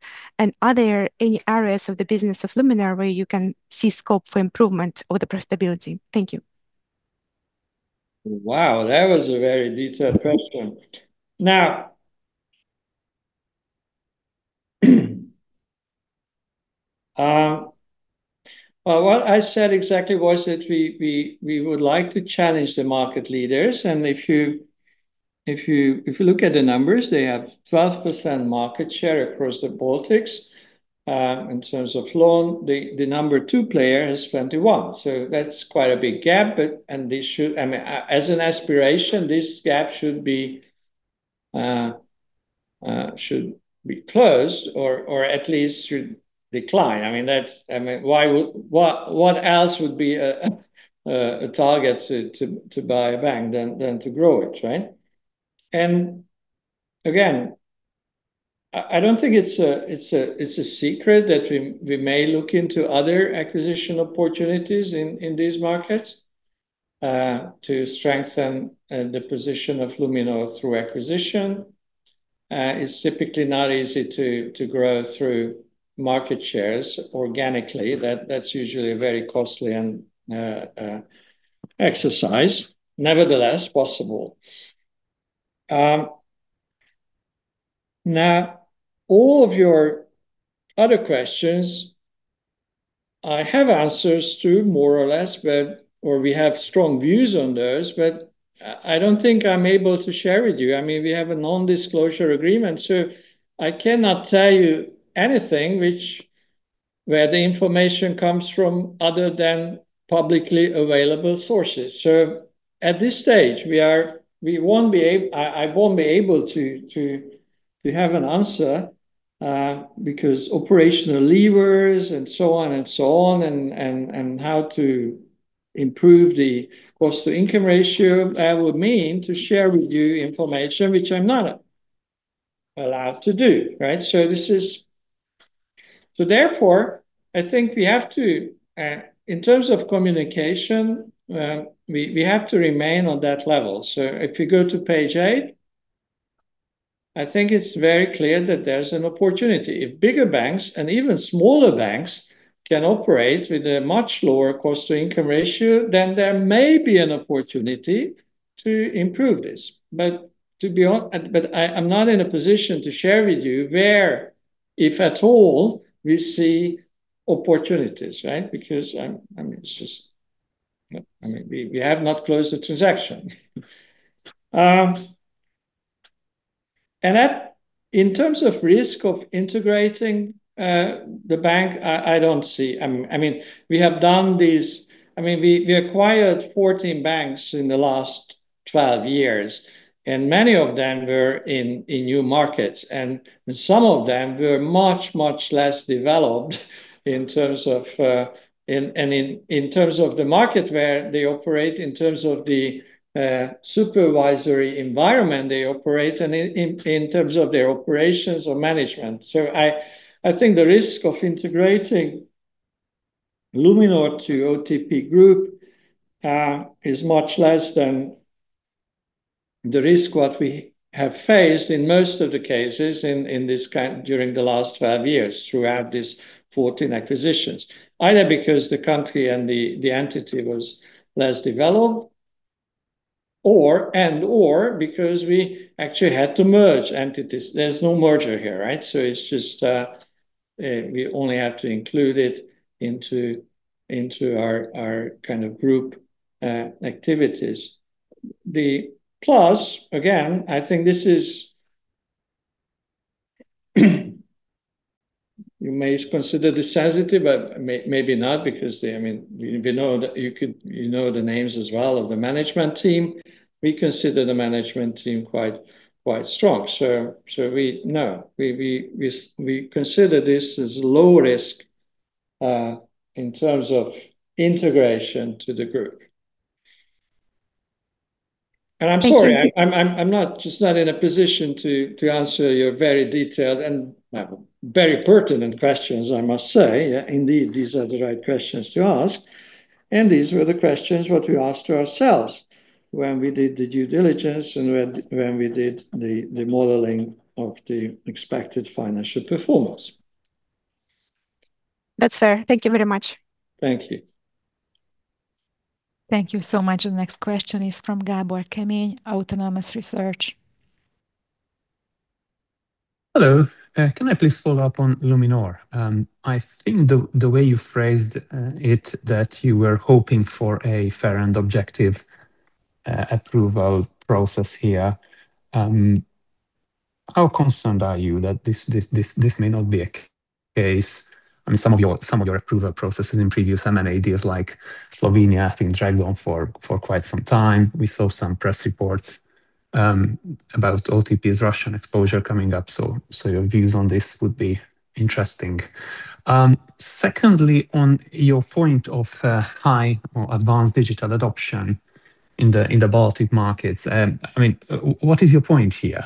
Are there any areas of the business of Luminor where you can see scope for improvement for the profitability? Thank you. Wow, that was a very detailed question. What I said exactly was that we would like to challenge the market leaders, and if you look at the numbers, they have 12% market share across the Baltics. In terms of loan, the number two player has 21%, so that's quite a big gap. As an aspiration, this gap should be closed or at least should decline. What else would be a target to buy a bank than to grow it, right? Again, I don't think it's a secret that we may look into other acquisition opportunities in these markets to strengthen the position of Luminor through acquisition. It's typically not easy to grow through market shares organically. That's usually a very costly exercise, nevertheless, possible. All of your other questions I have answers to, more or less, or we have strong views on those, I don't think I'm able to share with you. We have a non-disclosure agreement, so I cannot tell you anything where the information comes from other than publicly available sources. At this stage, I won't be able to have an answer because operational levers and so on and so on, and how to improve the cost-to-income ratio would mean to share with you information which I'm not allowed to do. Right? Therefore, I think in terms of communication, we have to remain on that level. If you go to page eight, I think it's very clear that there's an opportunity. If bigger banks and even smaller banks can operate with a much lower cost-to-income ratio, then there may be an opportunity to improve this. I'm not in a position to share with you where, if at all, we see opportunities, right? Because we have not closed the transaction. In terms of risk of integrating the bank, I don't see. We acquired 14 banks in the last 12 years, and many of them were in new markets. Some of them were much, much less developed in terms of the market where they operate, in terms of the supervisory environment they operate, and in terms of their operations or management. I think the risk of integrating Luminor to OTP Group is much less than the risk what we have faced in most of the cases during the last 12 years throughout these 14 acquisitions, either because the country and the entity was less developed and/or because we actually had to merge entities. There's no merger here, right? It's just we only have to include it into our group activities. Again, I think this is you may consider this sensitive, but maybe not because you know the names as well of the management team. We consider the management team quite strong. We consider this as low risk in terms of integration to the group. I'm sorry, I'm just not in a position to answer your very detailed and very pertinent questions, I must say. Indeed, these are the right questions to ask, and these were the questions what we asked ourselves when we did the due diligence and when we did the modeling of the expected financial performance. That's fair. Thank you very much. Thank you. Thank you so much. The next question is from Gabor Kemeny, Autonomous Research. Hello. Can I please follow up on Luminor? I think the way you phrased it, that you were hoping for a fair and objective approval process here. How concerned are you that this may not be a case. Some of your approval processes in previous M&As like Slovenia, I think, dragged on for quite some time. We saw some press reports about OTP's Russian exposure coming up. Your views on this would be interesting. Secondly, on your point of high or advanced digital adoption in the Baltic markets, what is your point here?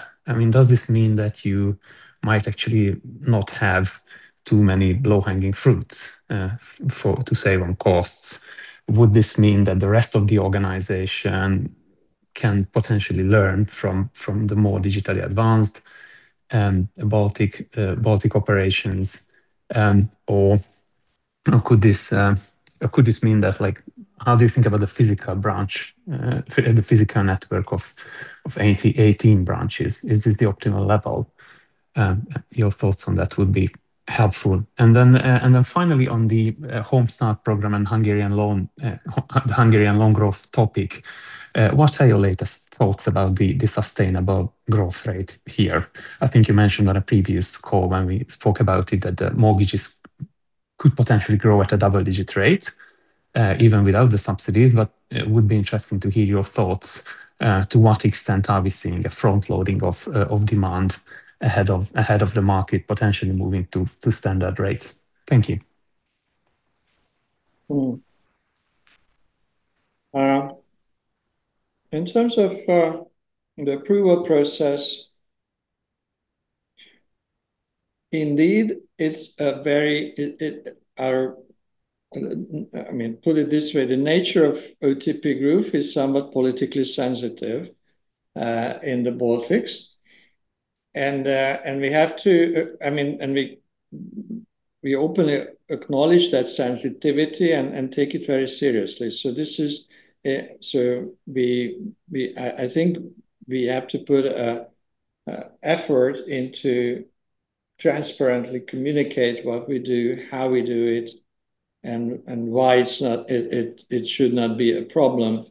Does this mean that you might actually not have too many low-hanging fruits to save on costs? Would this mean that the rest of the organization can potentially learn from the more digitally advanced Baltic operations? Could this mean that, how do you think about the physical branch, the physical network of 18 branches? Is this the optimal level? Your thoughts on that would be helpful. Finally, on the Home Start Program and Hungarian loan growth topic, what are your latest thoughts about the sustainable growth rate here? I think you mentioned on a previous call when we spoke about it, that the mortgages could potentially grow at a double-digit rate even without the subsidies. It would be interesting to hear your thoughts. To what extent are we seeing a front-loading of demand ahead of the market potentially moving to standard rates? Thank you. In terms of the approval process, indeed, put it this way, the nature of OTP Group is somewhat politically sensitive in the Baltics. We openly acknowledge that sensitivity and take it very seriously. I think we have to put effort into transparently communicate what we do, how we do it, and why it should not be a problem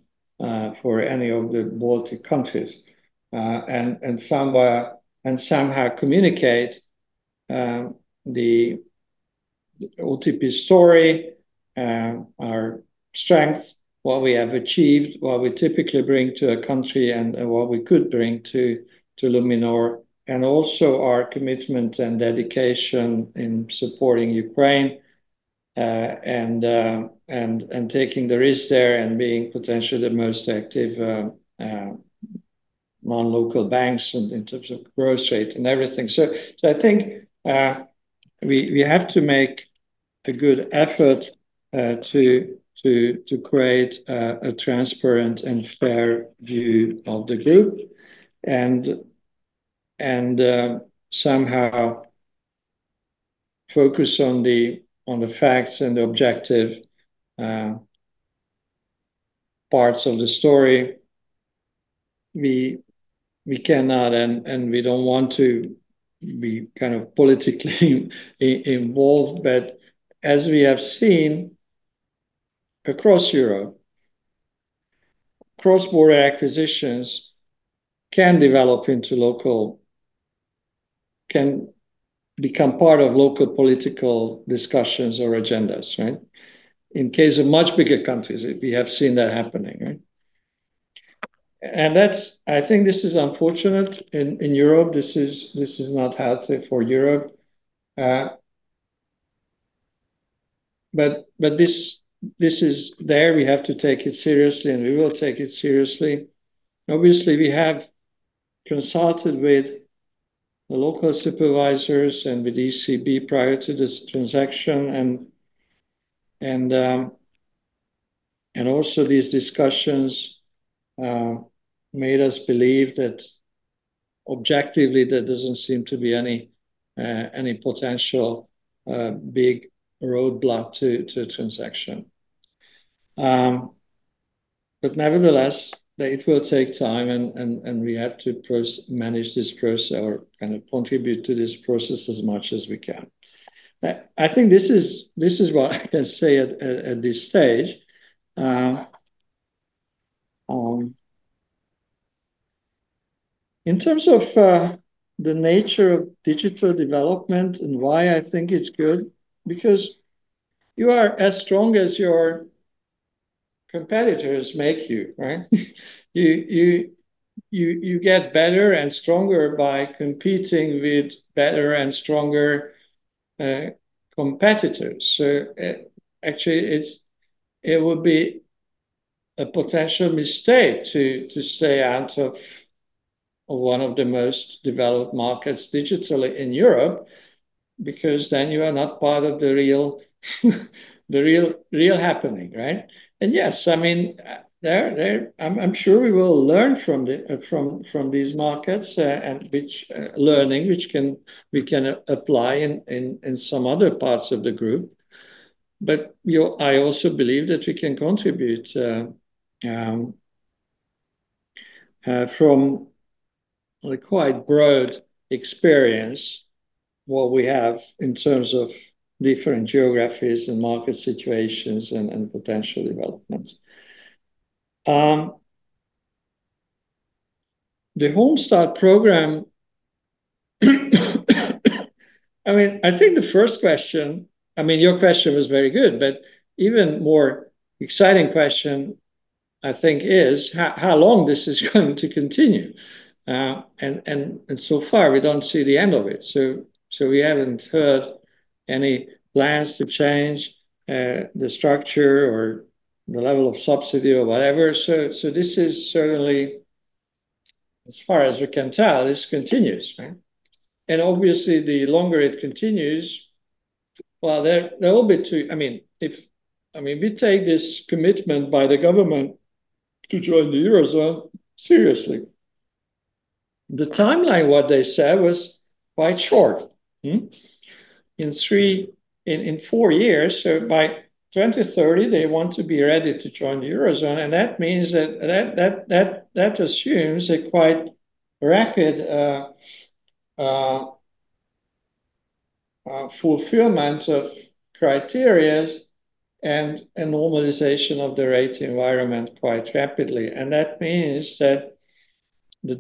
for any of the Baltic countries. Somehow communicate the OTP story, our strength, what we have achieved, what we typically bring to a country, and what we could bring to Luminor, and also our commitment and dedication in supporting Ukraine, and taking the risk there and being potentially the most active non-local banks in terms of growth rate and everything. I think we have to make a good effort to create a transparent and fair view of the group and somehow focus on the facts and the objective parts of the story. We cannot and we don't want to be politically involved. As we have seen across Europe, cross-border acquisitions can become part of local political discussions or agendas, right? In case of much bigger countries, we have seen that happening, right? I think this is unfortunate in Europe. This is not healthy for Europe. This is there. We have to take it seriously, and we will take it seriously. Obviously, we have consulted with the local supervisors and with ECB prior to this transaction. These discussions made us believe that objectively, there doesn't seem to be any potential big roadblock to transaction. Nevertheless, it will take time and we have to manage this process or contribute to this process as much as we can. I think this is what I can say at this stage. In terms of the nature of digital development and why I think it's good, because you are as strong as your competitors make you, right? You get better and stronger by competing with better and stronger competitors. Actually, it would be a potential mistake to stay out of one of the most developed markets digitally in Europe, because then you are not part of the real happening, right? Yes, I'm sure we will learn from these markets, learning which we can apply in some other parts of the group. I also believe that we can contribute from a quite broad experience what we have in terms of different geographies and market situations and potential developments. The Home Start Program I think the first question, your question was very good, but even more exciting question, I think is how long this is going to continue. So far we don't see the end of it. We haven't heard any plans to change the structure or the level of subsidy or whatever. This is certainly as far as we can tell, this continues, right? Obviously the longer it continues. Well, if we take this commitment by the government to join the Eurozone seriously. The timeline, what they said was quite short. In four years, so by 2030, they want to be ready to join the Eurozone. That assumes a quite rapid fulfillment of criterias and a normalization of the rate environment quite rapidly. That means that the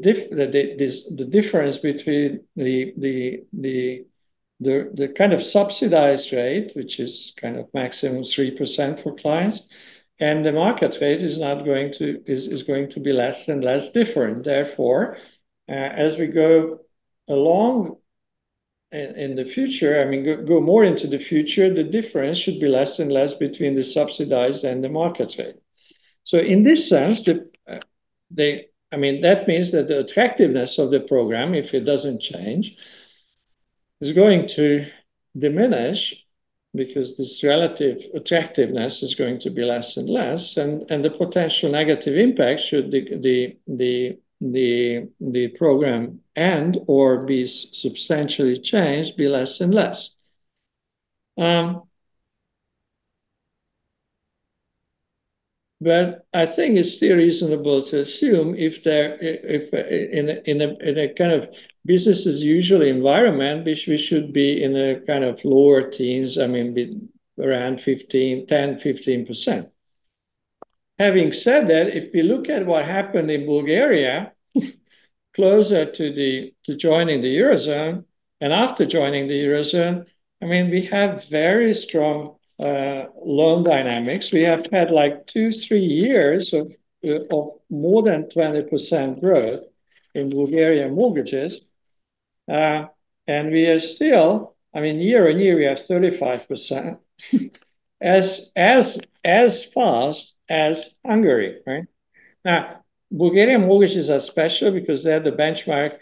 difference between the subsidized rate, which is maximum 3% for clients, and the market rate is going to be less and less different. Therefore, as we go along in the future, go more into the future, the difference should be less and less between the subsidized and the market rate. In this sense, that means that the attractiveness of the program, if it doesn't change, is going to diminish. Because this relative attractiveness is going to be less and less, and the potential negative impact should the program end or be substantially changed, be less and less. I think it's still reasonable to assume if in a kind of business-as-usual environment, which we should be in a kind of lower teens, around 10%, 15%. Having said that, if we look at what happened in Bulgaria closer to joining the Eurozone and after joining the Eurozone, we have very strong loan dynamics. We have had two, three years of more than 20% growth in Bulgarian mortgages. We are still, year-on-year, we are 35%, as fast as Hungary. Bulgarian mortgages are special because there the benchmark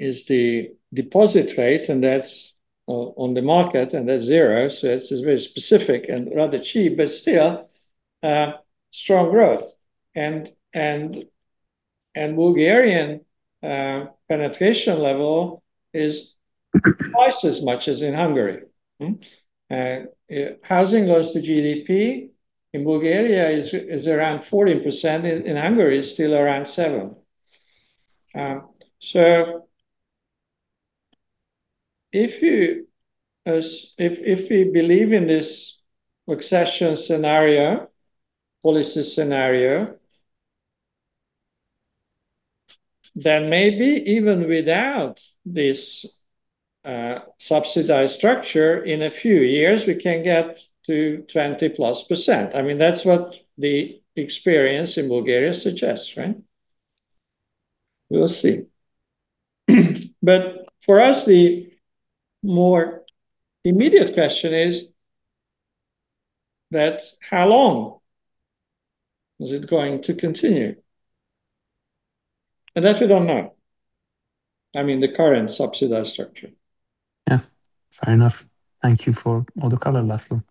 is the deposit rate, and that's on the market, and that's zero. It's very specific and rather cheap, but still strong growth. Bulgarian penetration level is twice as much as in Hungary. Housing goes to GDP in Bulgaria is around 14%, in Hungary is still around seven. If we believe in this accession scenario, policy scenario, then maybe even without this subsidized structure in a few years, we can get to 20-plus percent. That's what the experience in Bulgaria suggests. We'll see. For us, the more immediate question is that how long is it going to continue? We don't know. The current subsidized structure. Yeah. Fair enough. Thank you for all the color, László.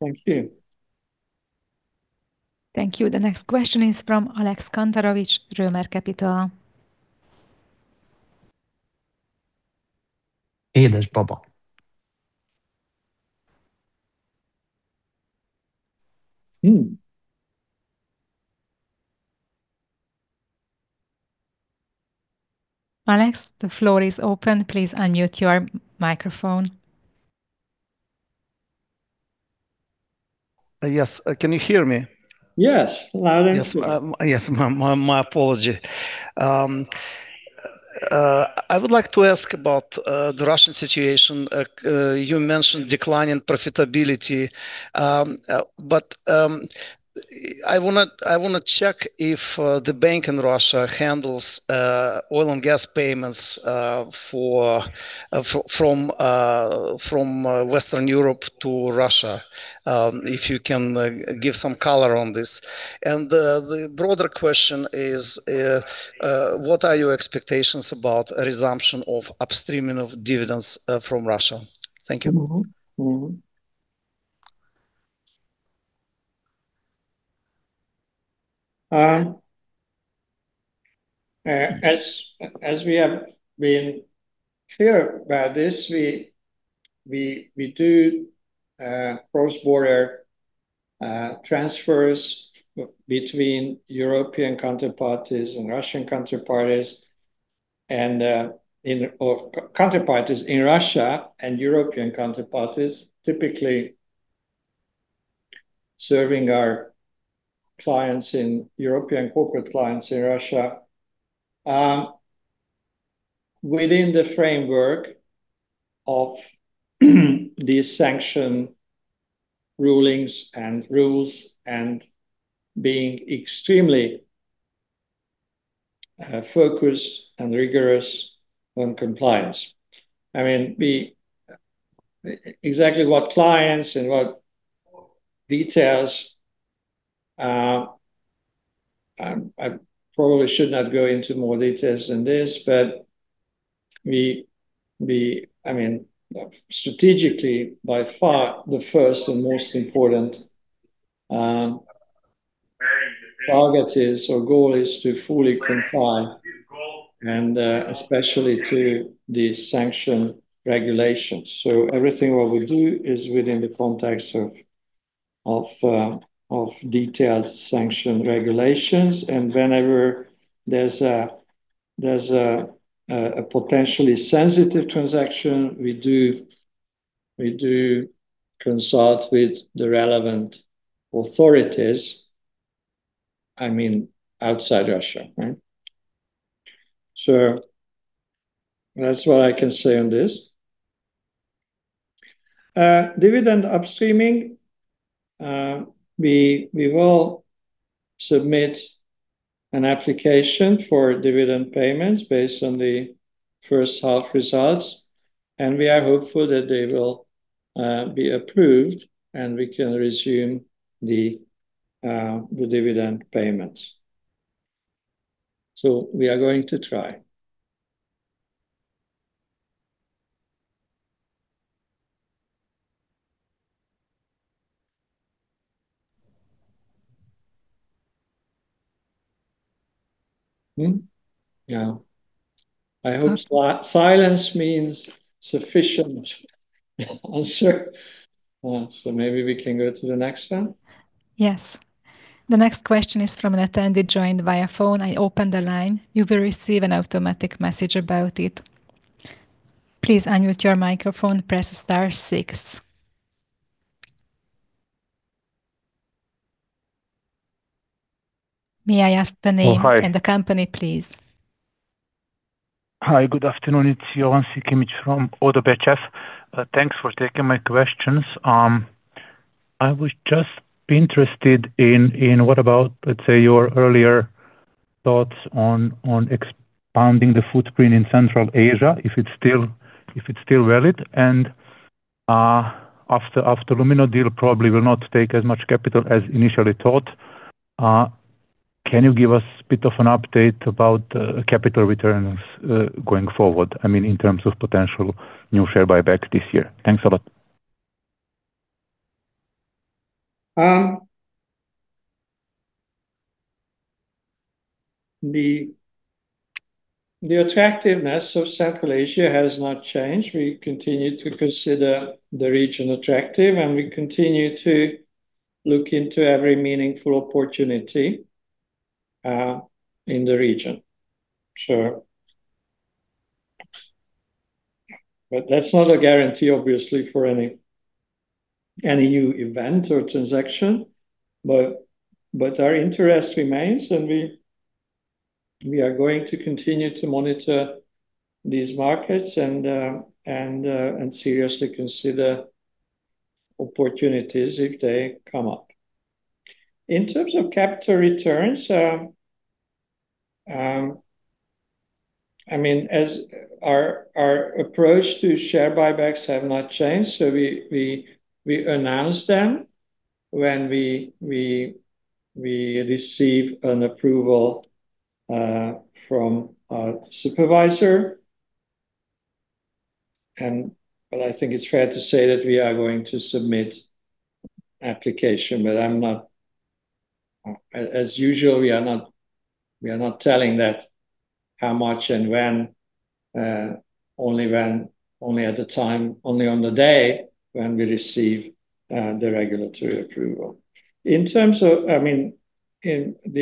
Thank you. Thank you. The next question is from Alex Kantarovich, Roemer Capital. Alex, the floor is open. Please unmute your microphone. Yes. Can you hear me? Yes. Loud and clear. Yes. My apology. I would like to ask about the Russian situation. You mentioned decline in profitability. I want to check if the bank in Russia handles oil and gas payments from Western Europe to Russia. If you can give some color on this. The broader question is, what are your expectations about a resumption of upstreaming of dividends from Russia? Thank you. We have been clear about this, we do cross-border transfers between European counterparties and Russian counterparties, or counterparties in Russia and European counterparties, typically serving our clients in European corporate clients in Russia within the framework of the sanction rulings and rules, and being extremely focused and rigorous on compliance. Exactly what clients and what details, I probably should not go into more details than this. Strategically, by far the first and most important target is, or goal is to fully comply, and especially to the sanction regulations. Everything what we do is within the context of detailed sanction regulations. Whenever there's a potentially sensitive transaction, we do consult with the relevant authorities outside Russia. That's what I can say on this. Dividend upstreaming, we will submit an application for dividend payments based on the first half results, we are hopeful that they will be approved and we can resume the dividend payments. We are going to try. Yeah. I hope silence means sufficient answer. Maybe we can go to the next one. Yes. The next question is from an attendee joined via phone. I open the line. You will receive an automatic message about it. Please unmute your microphone, press star six. May I ask the name. Hi. The company, please? Hi. Good afternoon. It's Jovan Sikimić from ODDO BHF. Thanks for taking my questions. I was just interested in what about, let's say, your earlier thoughts on expanding the footprint in Central Asia, if it's still valid. After Luminor deal probably will not take as much capital as initially thought, can you give us a bit of an update about the capital returns going forward, in terms of potential new share buyback this year? Thanks a lot. The attractiveness of Central Asia has not changed. We continue to consider the region attractive, and we continue to look into every meaningful opportunity in the region. Sure. That's not a guarantee, obviously, for any new event or transaction. Our interest remains, and we are going to continue to monitor these markets and seriously consider opportunities if they come up. In terms of capital returns, our approach to share buybacks have not changed. We announce them when we receive an approval from our supervisor. I think it's fair to say that we are going to submit application. As usual, we are not telling how much and when. Only on the day when we receive the regulatory approval. The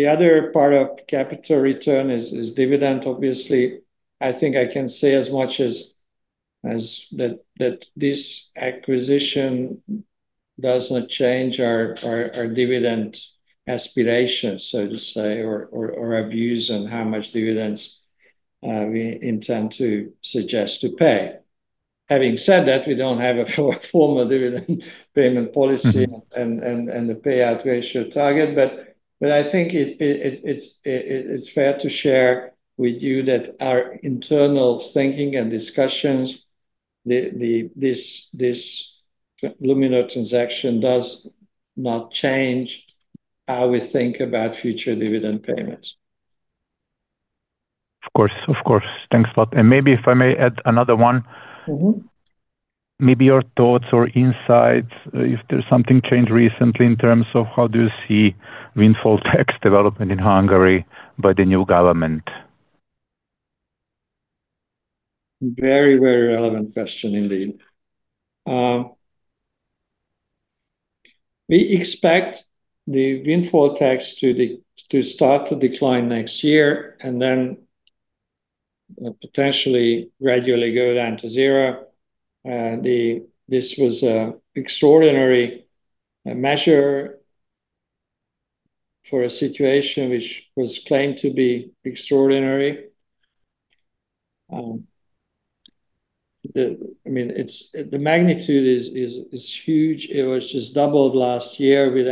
other part of capital return is dividend, obviously. I think I can say as much as that this acquisition does not change our dividend aspirations, so to say, or our views on how much dividends we intend to suggest to pay. Having said that, we don't have a formal dividend payment policy and the payout ratio target. I think it's fair to share with you that our internal thinking and discussions, this Luminor transaction does not change how we think about future dividend payments. Of course. Thanks a lot. If I may add another one. Mmm. Maybe your thoughts or insights if there's something changed recently in terms of how do you see windfall tax development in Hungary by the new government? Very relevant question, indeed. We expect the windfall tax to start to decline next year and then potentially gradually go down to zero. This was a extraordinary measure for a situation which was claimed to be extraordinary. The magnitude is huge. It was just doubled last year. We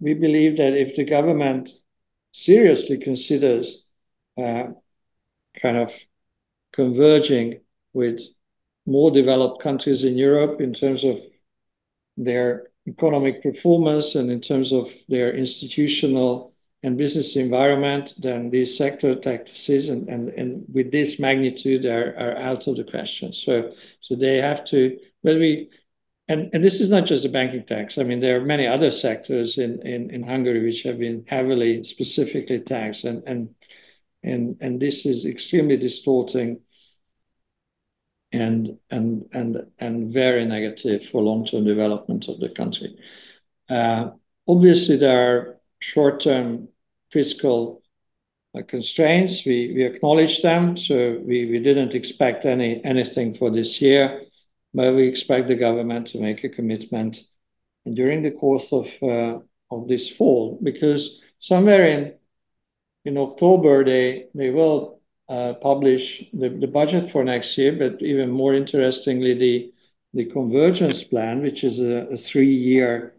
believe that if the government seriously considers converging with more developed countries in Europe in terms of their economic performance and in terms of their institutional and business environment, then these sector taxes and with this magnitude are out of the question. This is not just a banking tax. There are many other sectors in Hungary which have been heavily specifically taxed. This is extremely distorting and very negative for long-term development of the country. Obviously, there are short-term fiscal constraints. We acknowledge them. We didn't expect anything for this year, but we expect the government to make a commitment during the course of this fall. Because somewhere in October, they will publish the budget for next year, but even more interestingly, the convergence plan, which is a three-year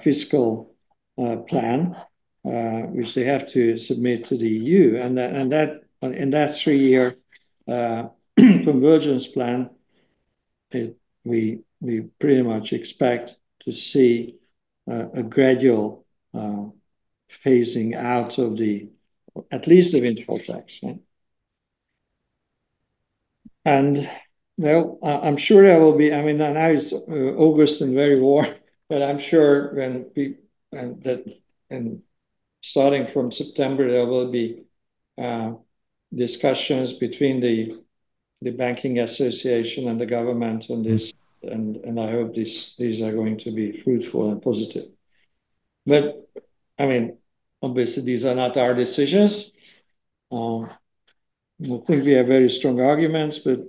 fiscal plan which they have to submit to the E.U. In that three-year convergence plan, we pretty much expect to see a gradual phasing out of at least the windfall tax. Now it's August and very warm, but I'm sure starting from September, there will be discussions between the banking association and the government on this, and I hope these are going to be fruitful and positive. Obviously, these are not our decisions. I think we have very strong arguments, but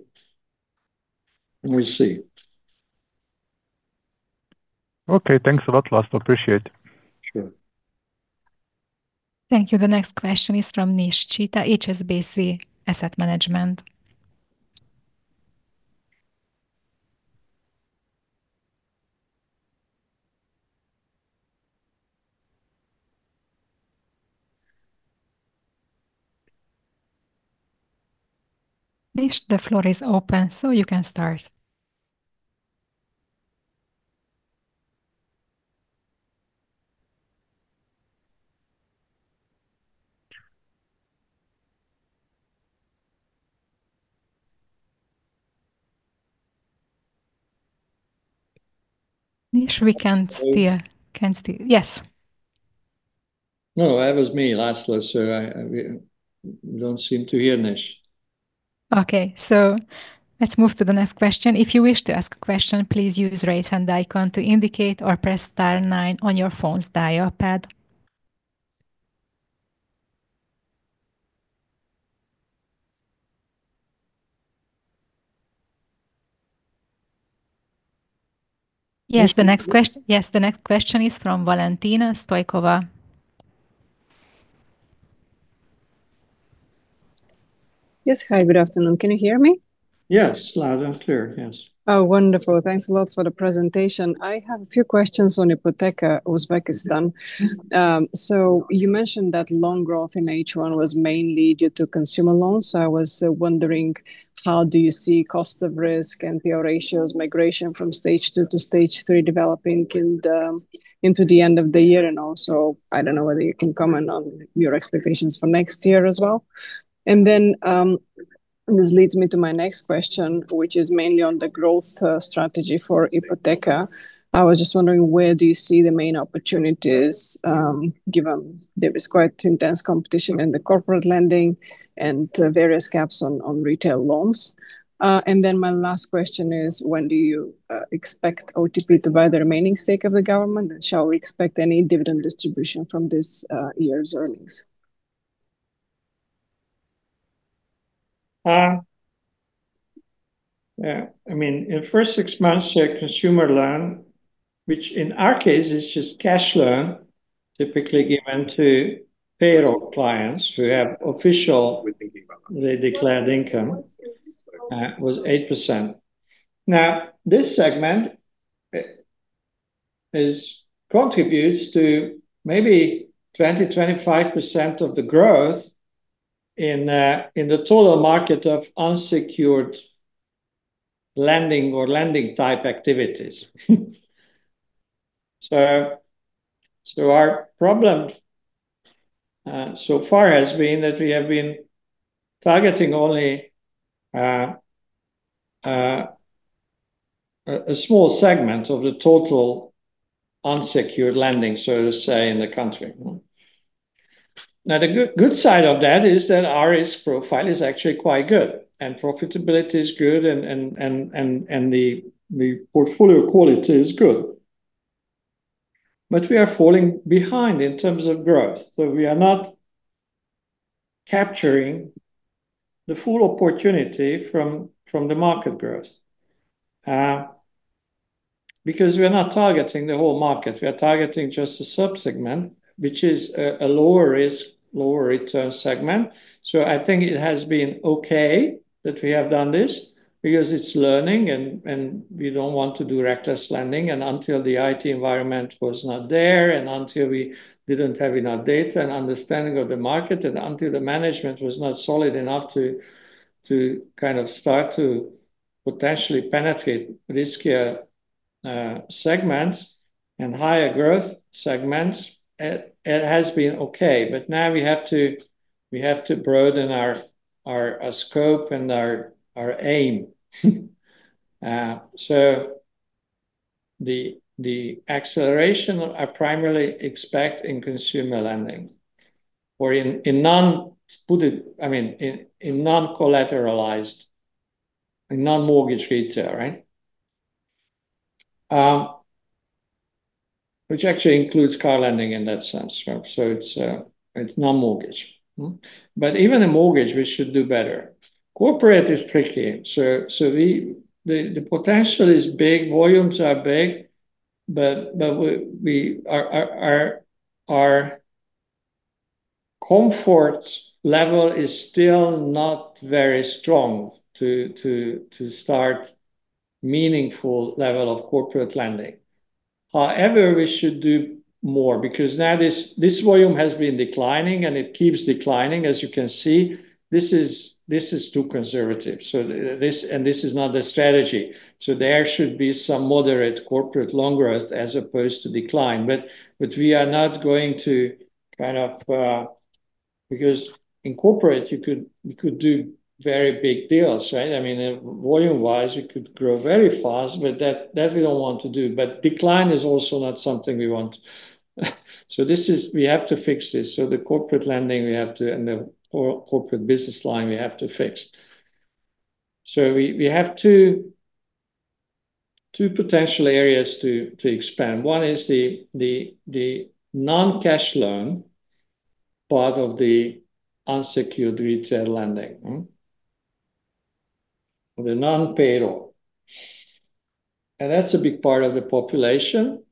we'll see. Okay. Thanks a lot, László. Appreciate it. Sure. Thank you. The next question is from Nishchitha, HSBC Asset Management. Nish, the floor is open, you can start. Nish, we can't hear. Yes. No, that was me, László. We don't seem to hear Nish. Okay, let's move to the next question. If you wish to ask a question, please use raise hand icon to indicate or press star nine on your phone's dial pad. Yes, the next question is from Valentina Stoykova. Yes. Hi, good afternoon. Can you hear me? Yes, loud and clear. Yes. Oh, wonderful. Thanks a lot for the presentation. I have a few questions on Ipoteka Uzbekistan. You mentioned that loan growth in H1 was mainly due to consumer loans. I was wondering how do you see cost of risk and the ratios migration from stage 2 to stage 3 developing into the end of the year? Also, I don't know whether you can comment on your expectations for next year as well. This leads me to my next question, which is mainly on the growth strategy for Ipoteka. I was just wondering, where do you see the main opportunities, given there is quite intense competition in the corporate lending and various caps on retail loans? My last question is, when do you expect OTP to buy the remaining stake of the government? Shall we expect any dividend distribution from this year's earnings? In first six months, consumer loan, which in our case is just cash loan typically given to payroll clients who have official declared income was 8%. This segment contributes to maybe 20%-25% of the growth in the total market of unsecured lending or lending type activities. Our problem so far has been that we have been targeting only a small segment of the total unsecured lending, so to say, in the country. The good side of that is that our risk profile is actually quite good, and profitability is good and the portfolio quality is good. We are falling behind in terms of growth. We are not capturing the full opportunity from the market growth, because we are not targeting the whole market. We are targeting just a sub-segment, which is a lower risk, lower return segment. I think it has been okay that we have done this because it's learning and we don't want to do reckless lending. Until the IT environment was not there, until we didn't have enough data and understanding of the market, and until the management was not solid enough to start to potentially penetrate riskier segments and higher growth segments, it has been okay. Now we have to broaden our scope and our aim. The acceleration I primarily expect in consumer lending or in non-collateralized, in non-mortgage retail. Which actually includes car lending in that sense. It's non-mortgage. But even in mortgage we should do better. Corporate is tricky. The potential is big, volumes are big, but our comfort level is still not very strong to start meaningful level of corporate lending. However, we should do more because now this volume has been declining, and it keeps declining, as you can see. This is too conservative. This is not the strategy. There should be some moderate corporate loan growth as opposed to decline. We are not going to. Because in corporate you could do very big deals, right? Volume-wise, we could grow very fast, but that we don't want to do. But decline is also not something we want. We have to fix this. The corporate lending and the corporate business line we have to fix. We have two potential areas to expand. One is the non-cash loan, part of the unsecured retail lending. The non-payroll. And that's a big part of the population.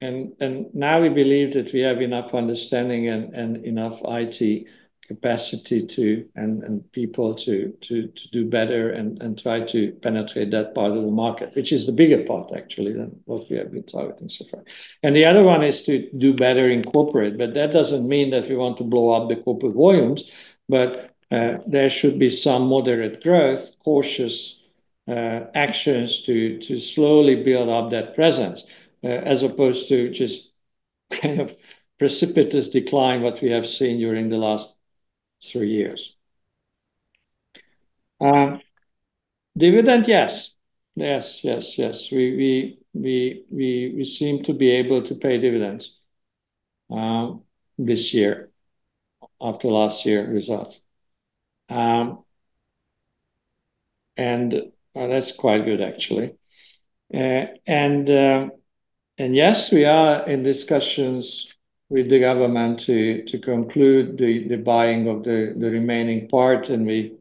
Now we believe that we have enough understanding and enough IT capacity and people to do better and try to penetrate that part of the market, which is the bigger part, actually, than what we have been targeting so far. The other one is to do better in corporate, but that doesn't mean that we want to blow up the corporate volumes. There should be some moderate growth, cautious actions to slowly build up that presence, as opposed to just kind of precipitous decline, what we have seen during the last three years. Dividend, yes. We seem to be able to pay dividends this year after last year's results. That's quite good, actually. Yes, we are in discussions with the government to conclude the buying of the remaining part, and we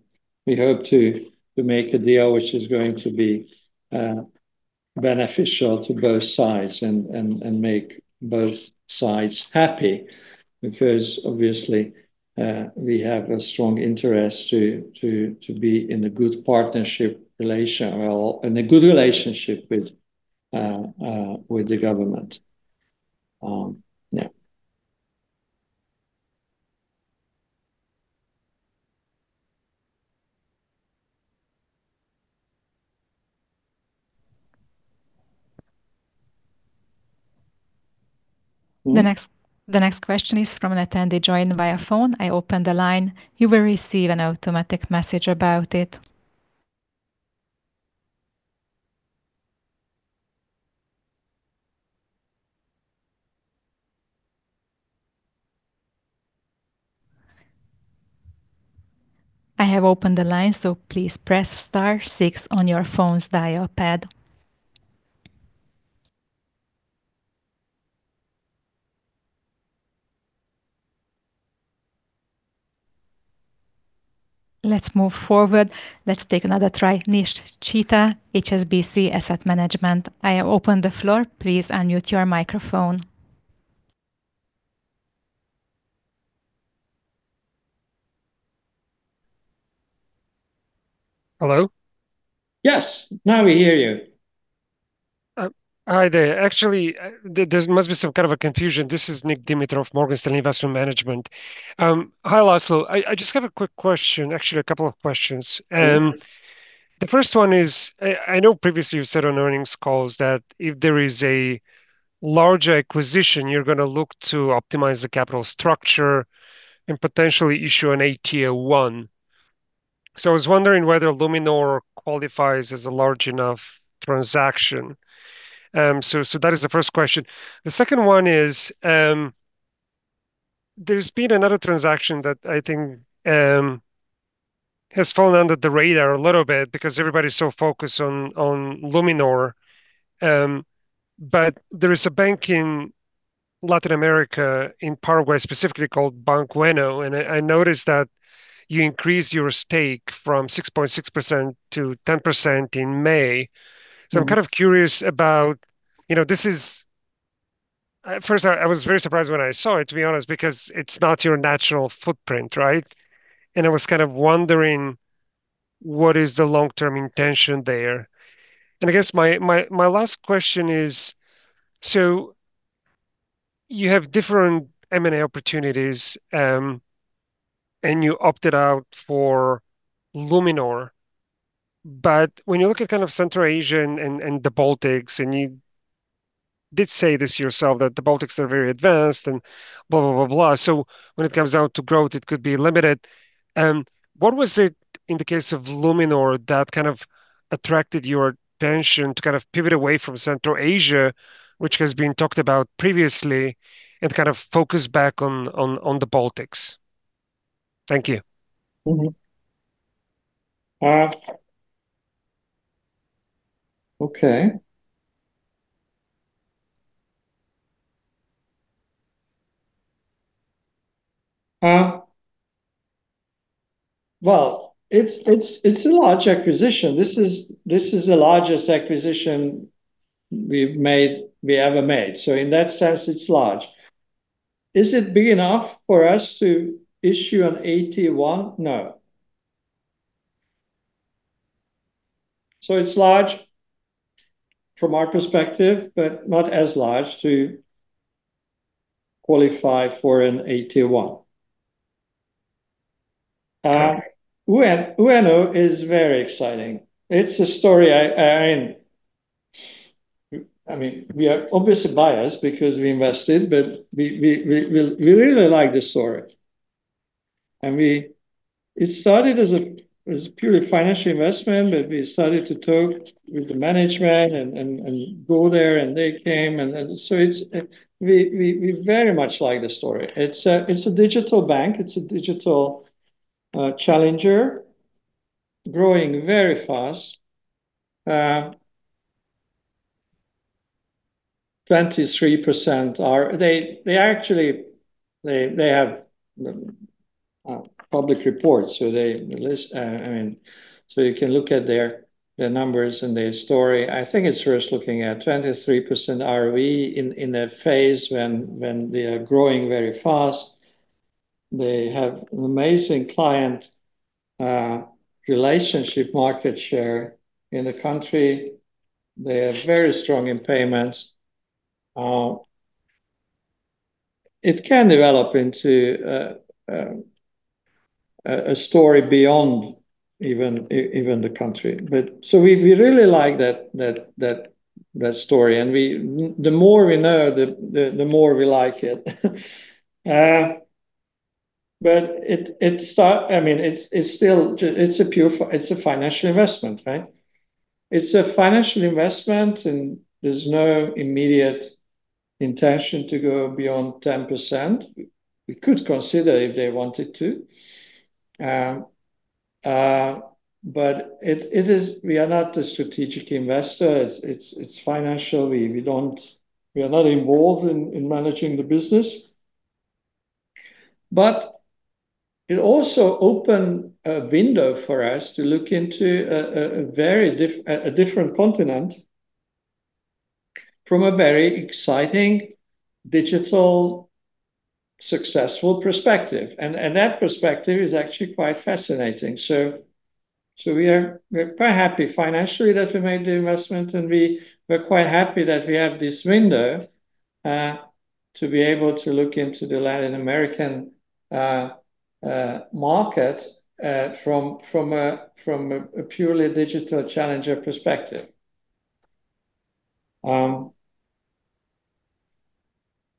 hope to make a deal which is going to be beneficial to both sides and make both sides happy. Because obviously, we have a strong interest to be in a good partnership relation. Well, in a good relationship with the government. Yeah. The next question is from an attendee joined via phone. I open the line. You will receive an automatic message about it. I have opened the line, please press star six on your phone's dial pad. Let's move forward. Let's take another try. Nishchitha, HSBC Asset Management. I have opened the floor. Please unmute your microphone. Hello? Yes. Now we hear you. Hi there. There must be some kind of a confusion. This is Nik Dimitrov of Morgan Stanley Investment Management. Hi, László. I just have a quick question. Actually, a couple of questions. Okay. The first one is, I know previously you've said on earnings calls that if there is a larger acquisition, you're going to look to optimize the capital structure and potentially issue an AT1. I was wondering whether Luminor qualifies as a large enough transaction. The second one is, there's been another transaction that I think has fallen under the radar a little bit because everybody's so focused on Luminor. There is a bank in Latin America, in Paraguay specifically, called bank ueno, and I noticed that you increased your stake from 6.6%-10% in May. I'm kind of curious. First, I was very surprised when I saw it, to be honest, because it's not your natural footprint, right? I was kind of wondering what is the long-term intention there. I guess my last question is, you have different M&A opportunities, and you opted out for Luminor. When you look at kind of Central Asia and the Baltics, and you did say this yourself, that the Baltics are very advanced and blah, blah. When it comes out to growth, it could be limited. What was it in the case of Luminor that kind of attracted your attention to kind of pivot away from Central Asia, which has been talked about previously, and kind of focus back on the Baltics? Thank you. Okay. Well, it's a large acquisition. This is the largest acquisition we've ever made. In that sense, it's large. Is it big enough for us to issue an AT1? No. It's large from our perspective, but not as large to qualify for an AT1. Uh, ueno is very exciting. We are obviously biased because we invested, but we really like the story. It started as a purely financial investment, but we started to talk with the management and go there, and they came, we very much like the story. It's a digital bank. It's a digital challenger growing very fast. 23%. They have public reports, you can look at their numbers and their story. I think it's worth looking at 23% ROE in a phase when they are growing very fast. They have amazing client relationship market share in the country. They are very strong in payments. It can develop into a story beyond even the country. We really like that story, and the more we know, the more we like it. It's a financial investment, right? It's a financial investment, and there's no immediate intention to go beyond 10%. We could consider if they wanted to. We are not a strategic investor. It's financial. We are not involved in managing the business. It also opened a window for us to look into a different continent from a very exciting digital, successful perspective. That perspective is actually quite fascinating. We're quite happy financially that we made the investment, and we're quite happy that we have this window to be able to look into the Latin American market from a purely digital challenger perspective.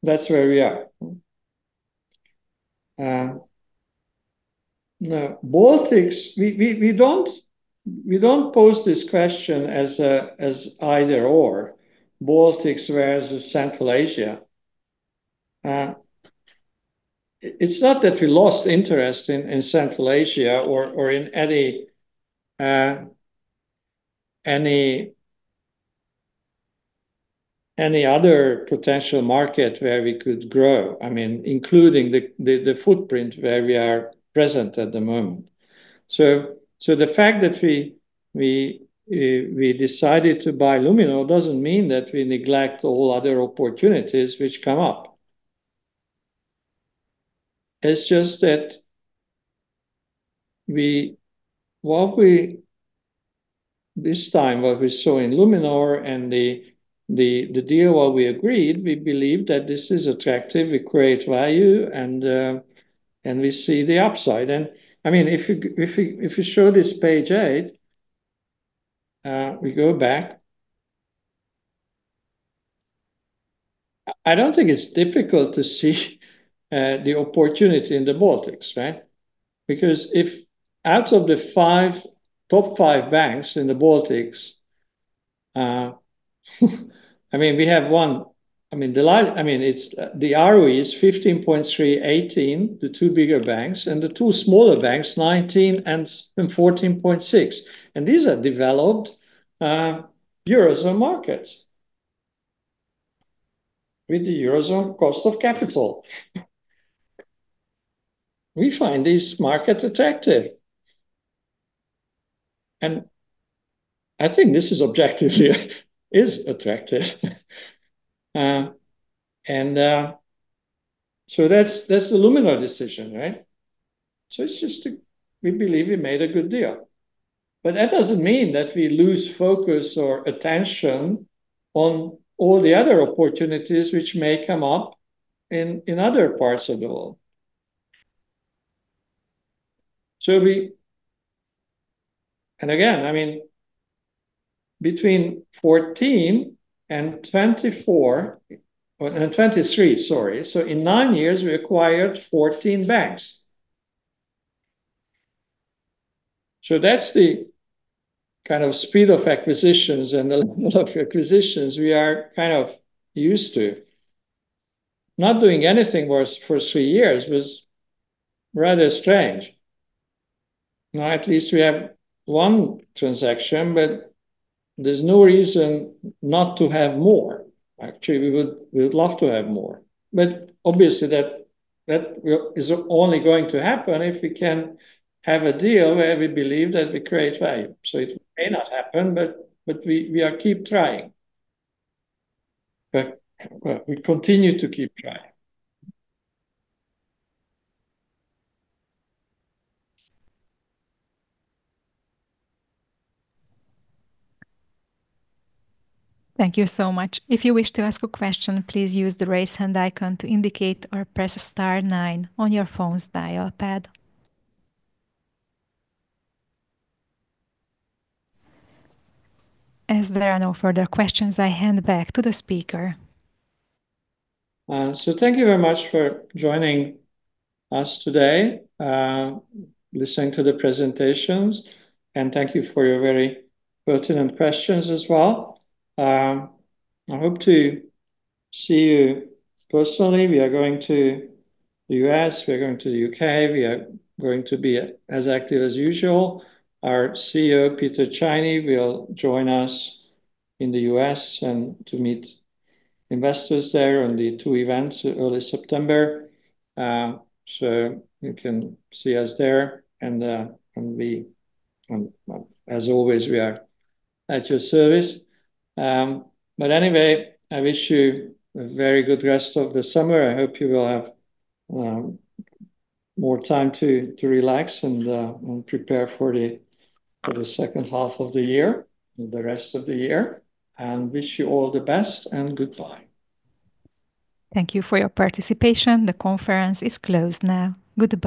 That's where we are. Baltics, we don't pose this question as either/or, Baltics versus Central Asia. It's not that we lost interest in Central Asia or in any other potential market where we could grow, including the footprint where we are present at the moment. The fact that we decided to buy Luminor doesn't mean that we neglect all other opportunities which come up. It's just that this time, what we saw in Luminor and the deal what we agreed, we believe that this is attractive, we create value, and we see the upside. If you show this page eight, we go back. I don't think it's difficult to see the opportunity in the Baltics, right? Because if out of the top five banks in the Baltics, the ROE is 15.3, 18, the two bigger banks, and the two smaller banks, 19 and 14.6. These are developed Eurozone markets with the Eurozone cost of capital. We find these markets attractive. I think this objectively is attractive. That's the Luminor decision, right? It's just we believe we made a good deal. That doesn't mean that we lose focus or attention on all the other opportunities which may come up in other parts of the world. Again, between 2014 and 2023, sorry. In nine years, we acquired 14 banks. That's the kind of speed of acquisitions and the level of acquisitions we are kind of used to. Not doing anything for three years was rather strange. Now, at least we have one transaction, but there's no reason not to have more. Actually, we would love to have more. Obviously, that is only going to happen if we can have a deal where we believe that we create value. It may not happen, but we keep trying. We continue to keep trying. Thank you so much. If you wish to ask a question, please use the raise hand icon to indicate or press star nine on your phone's dial pad. As there are no further questions, I hand back to the speaker. Thank you very much for joining us today, listening to the presentations, and thank you for your very pertinent questions as well. I hope to see you personally. We are going to the U.S. We are going to the U.K. We are going to be as active as usual. Our CEO, Péter Csányi, will join us in the U.S. and to meet investors there on the two events early September. You can see us there and as always, we are at your service. Anyway, I wish you a very good rest of the summer. I hope you will have more time to relax and prepare for the second half of the year and the rest of the year, and wish you all the best and goodbye. Thank you for your participation. The conference is closed now. Goodbye.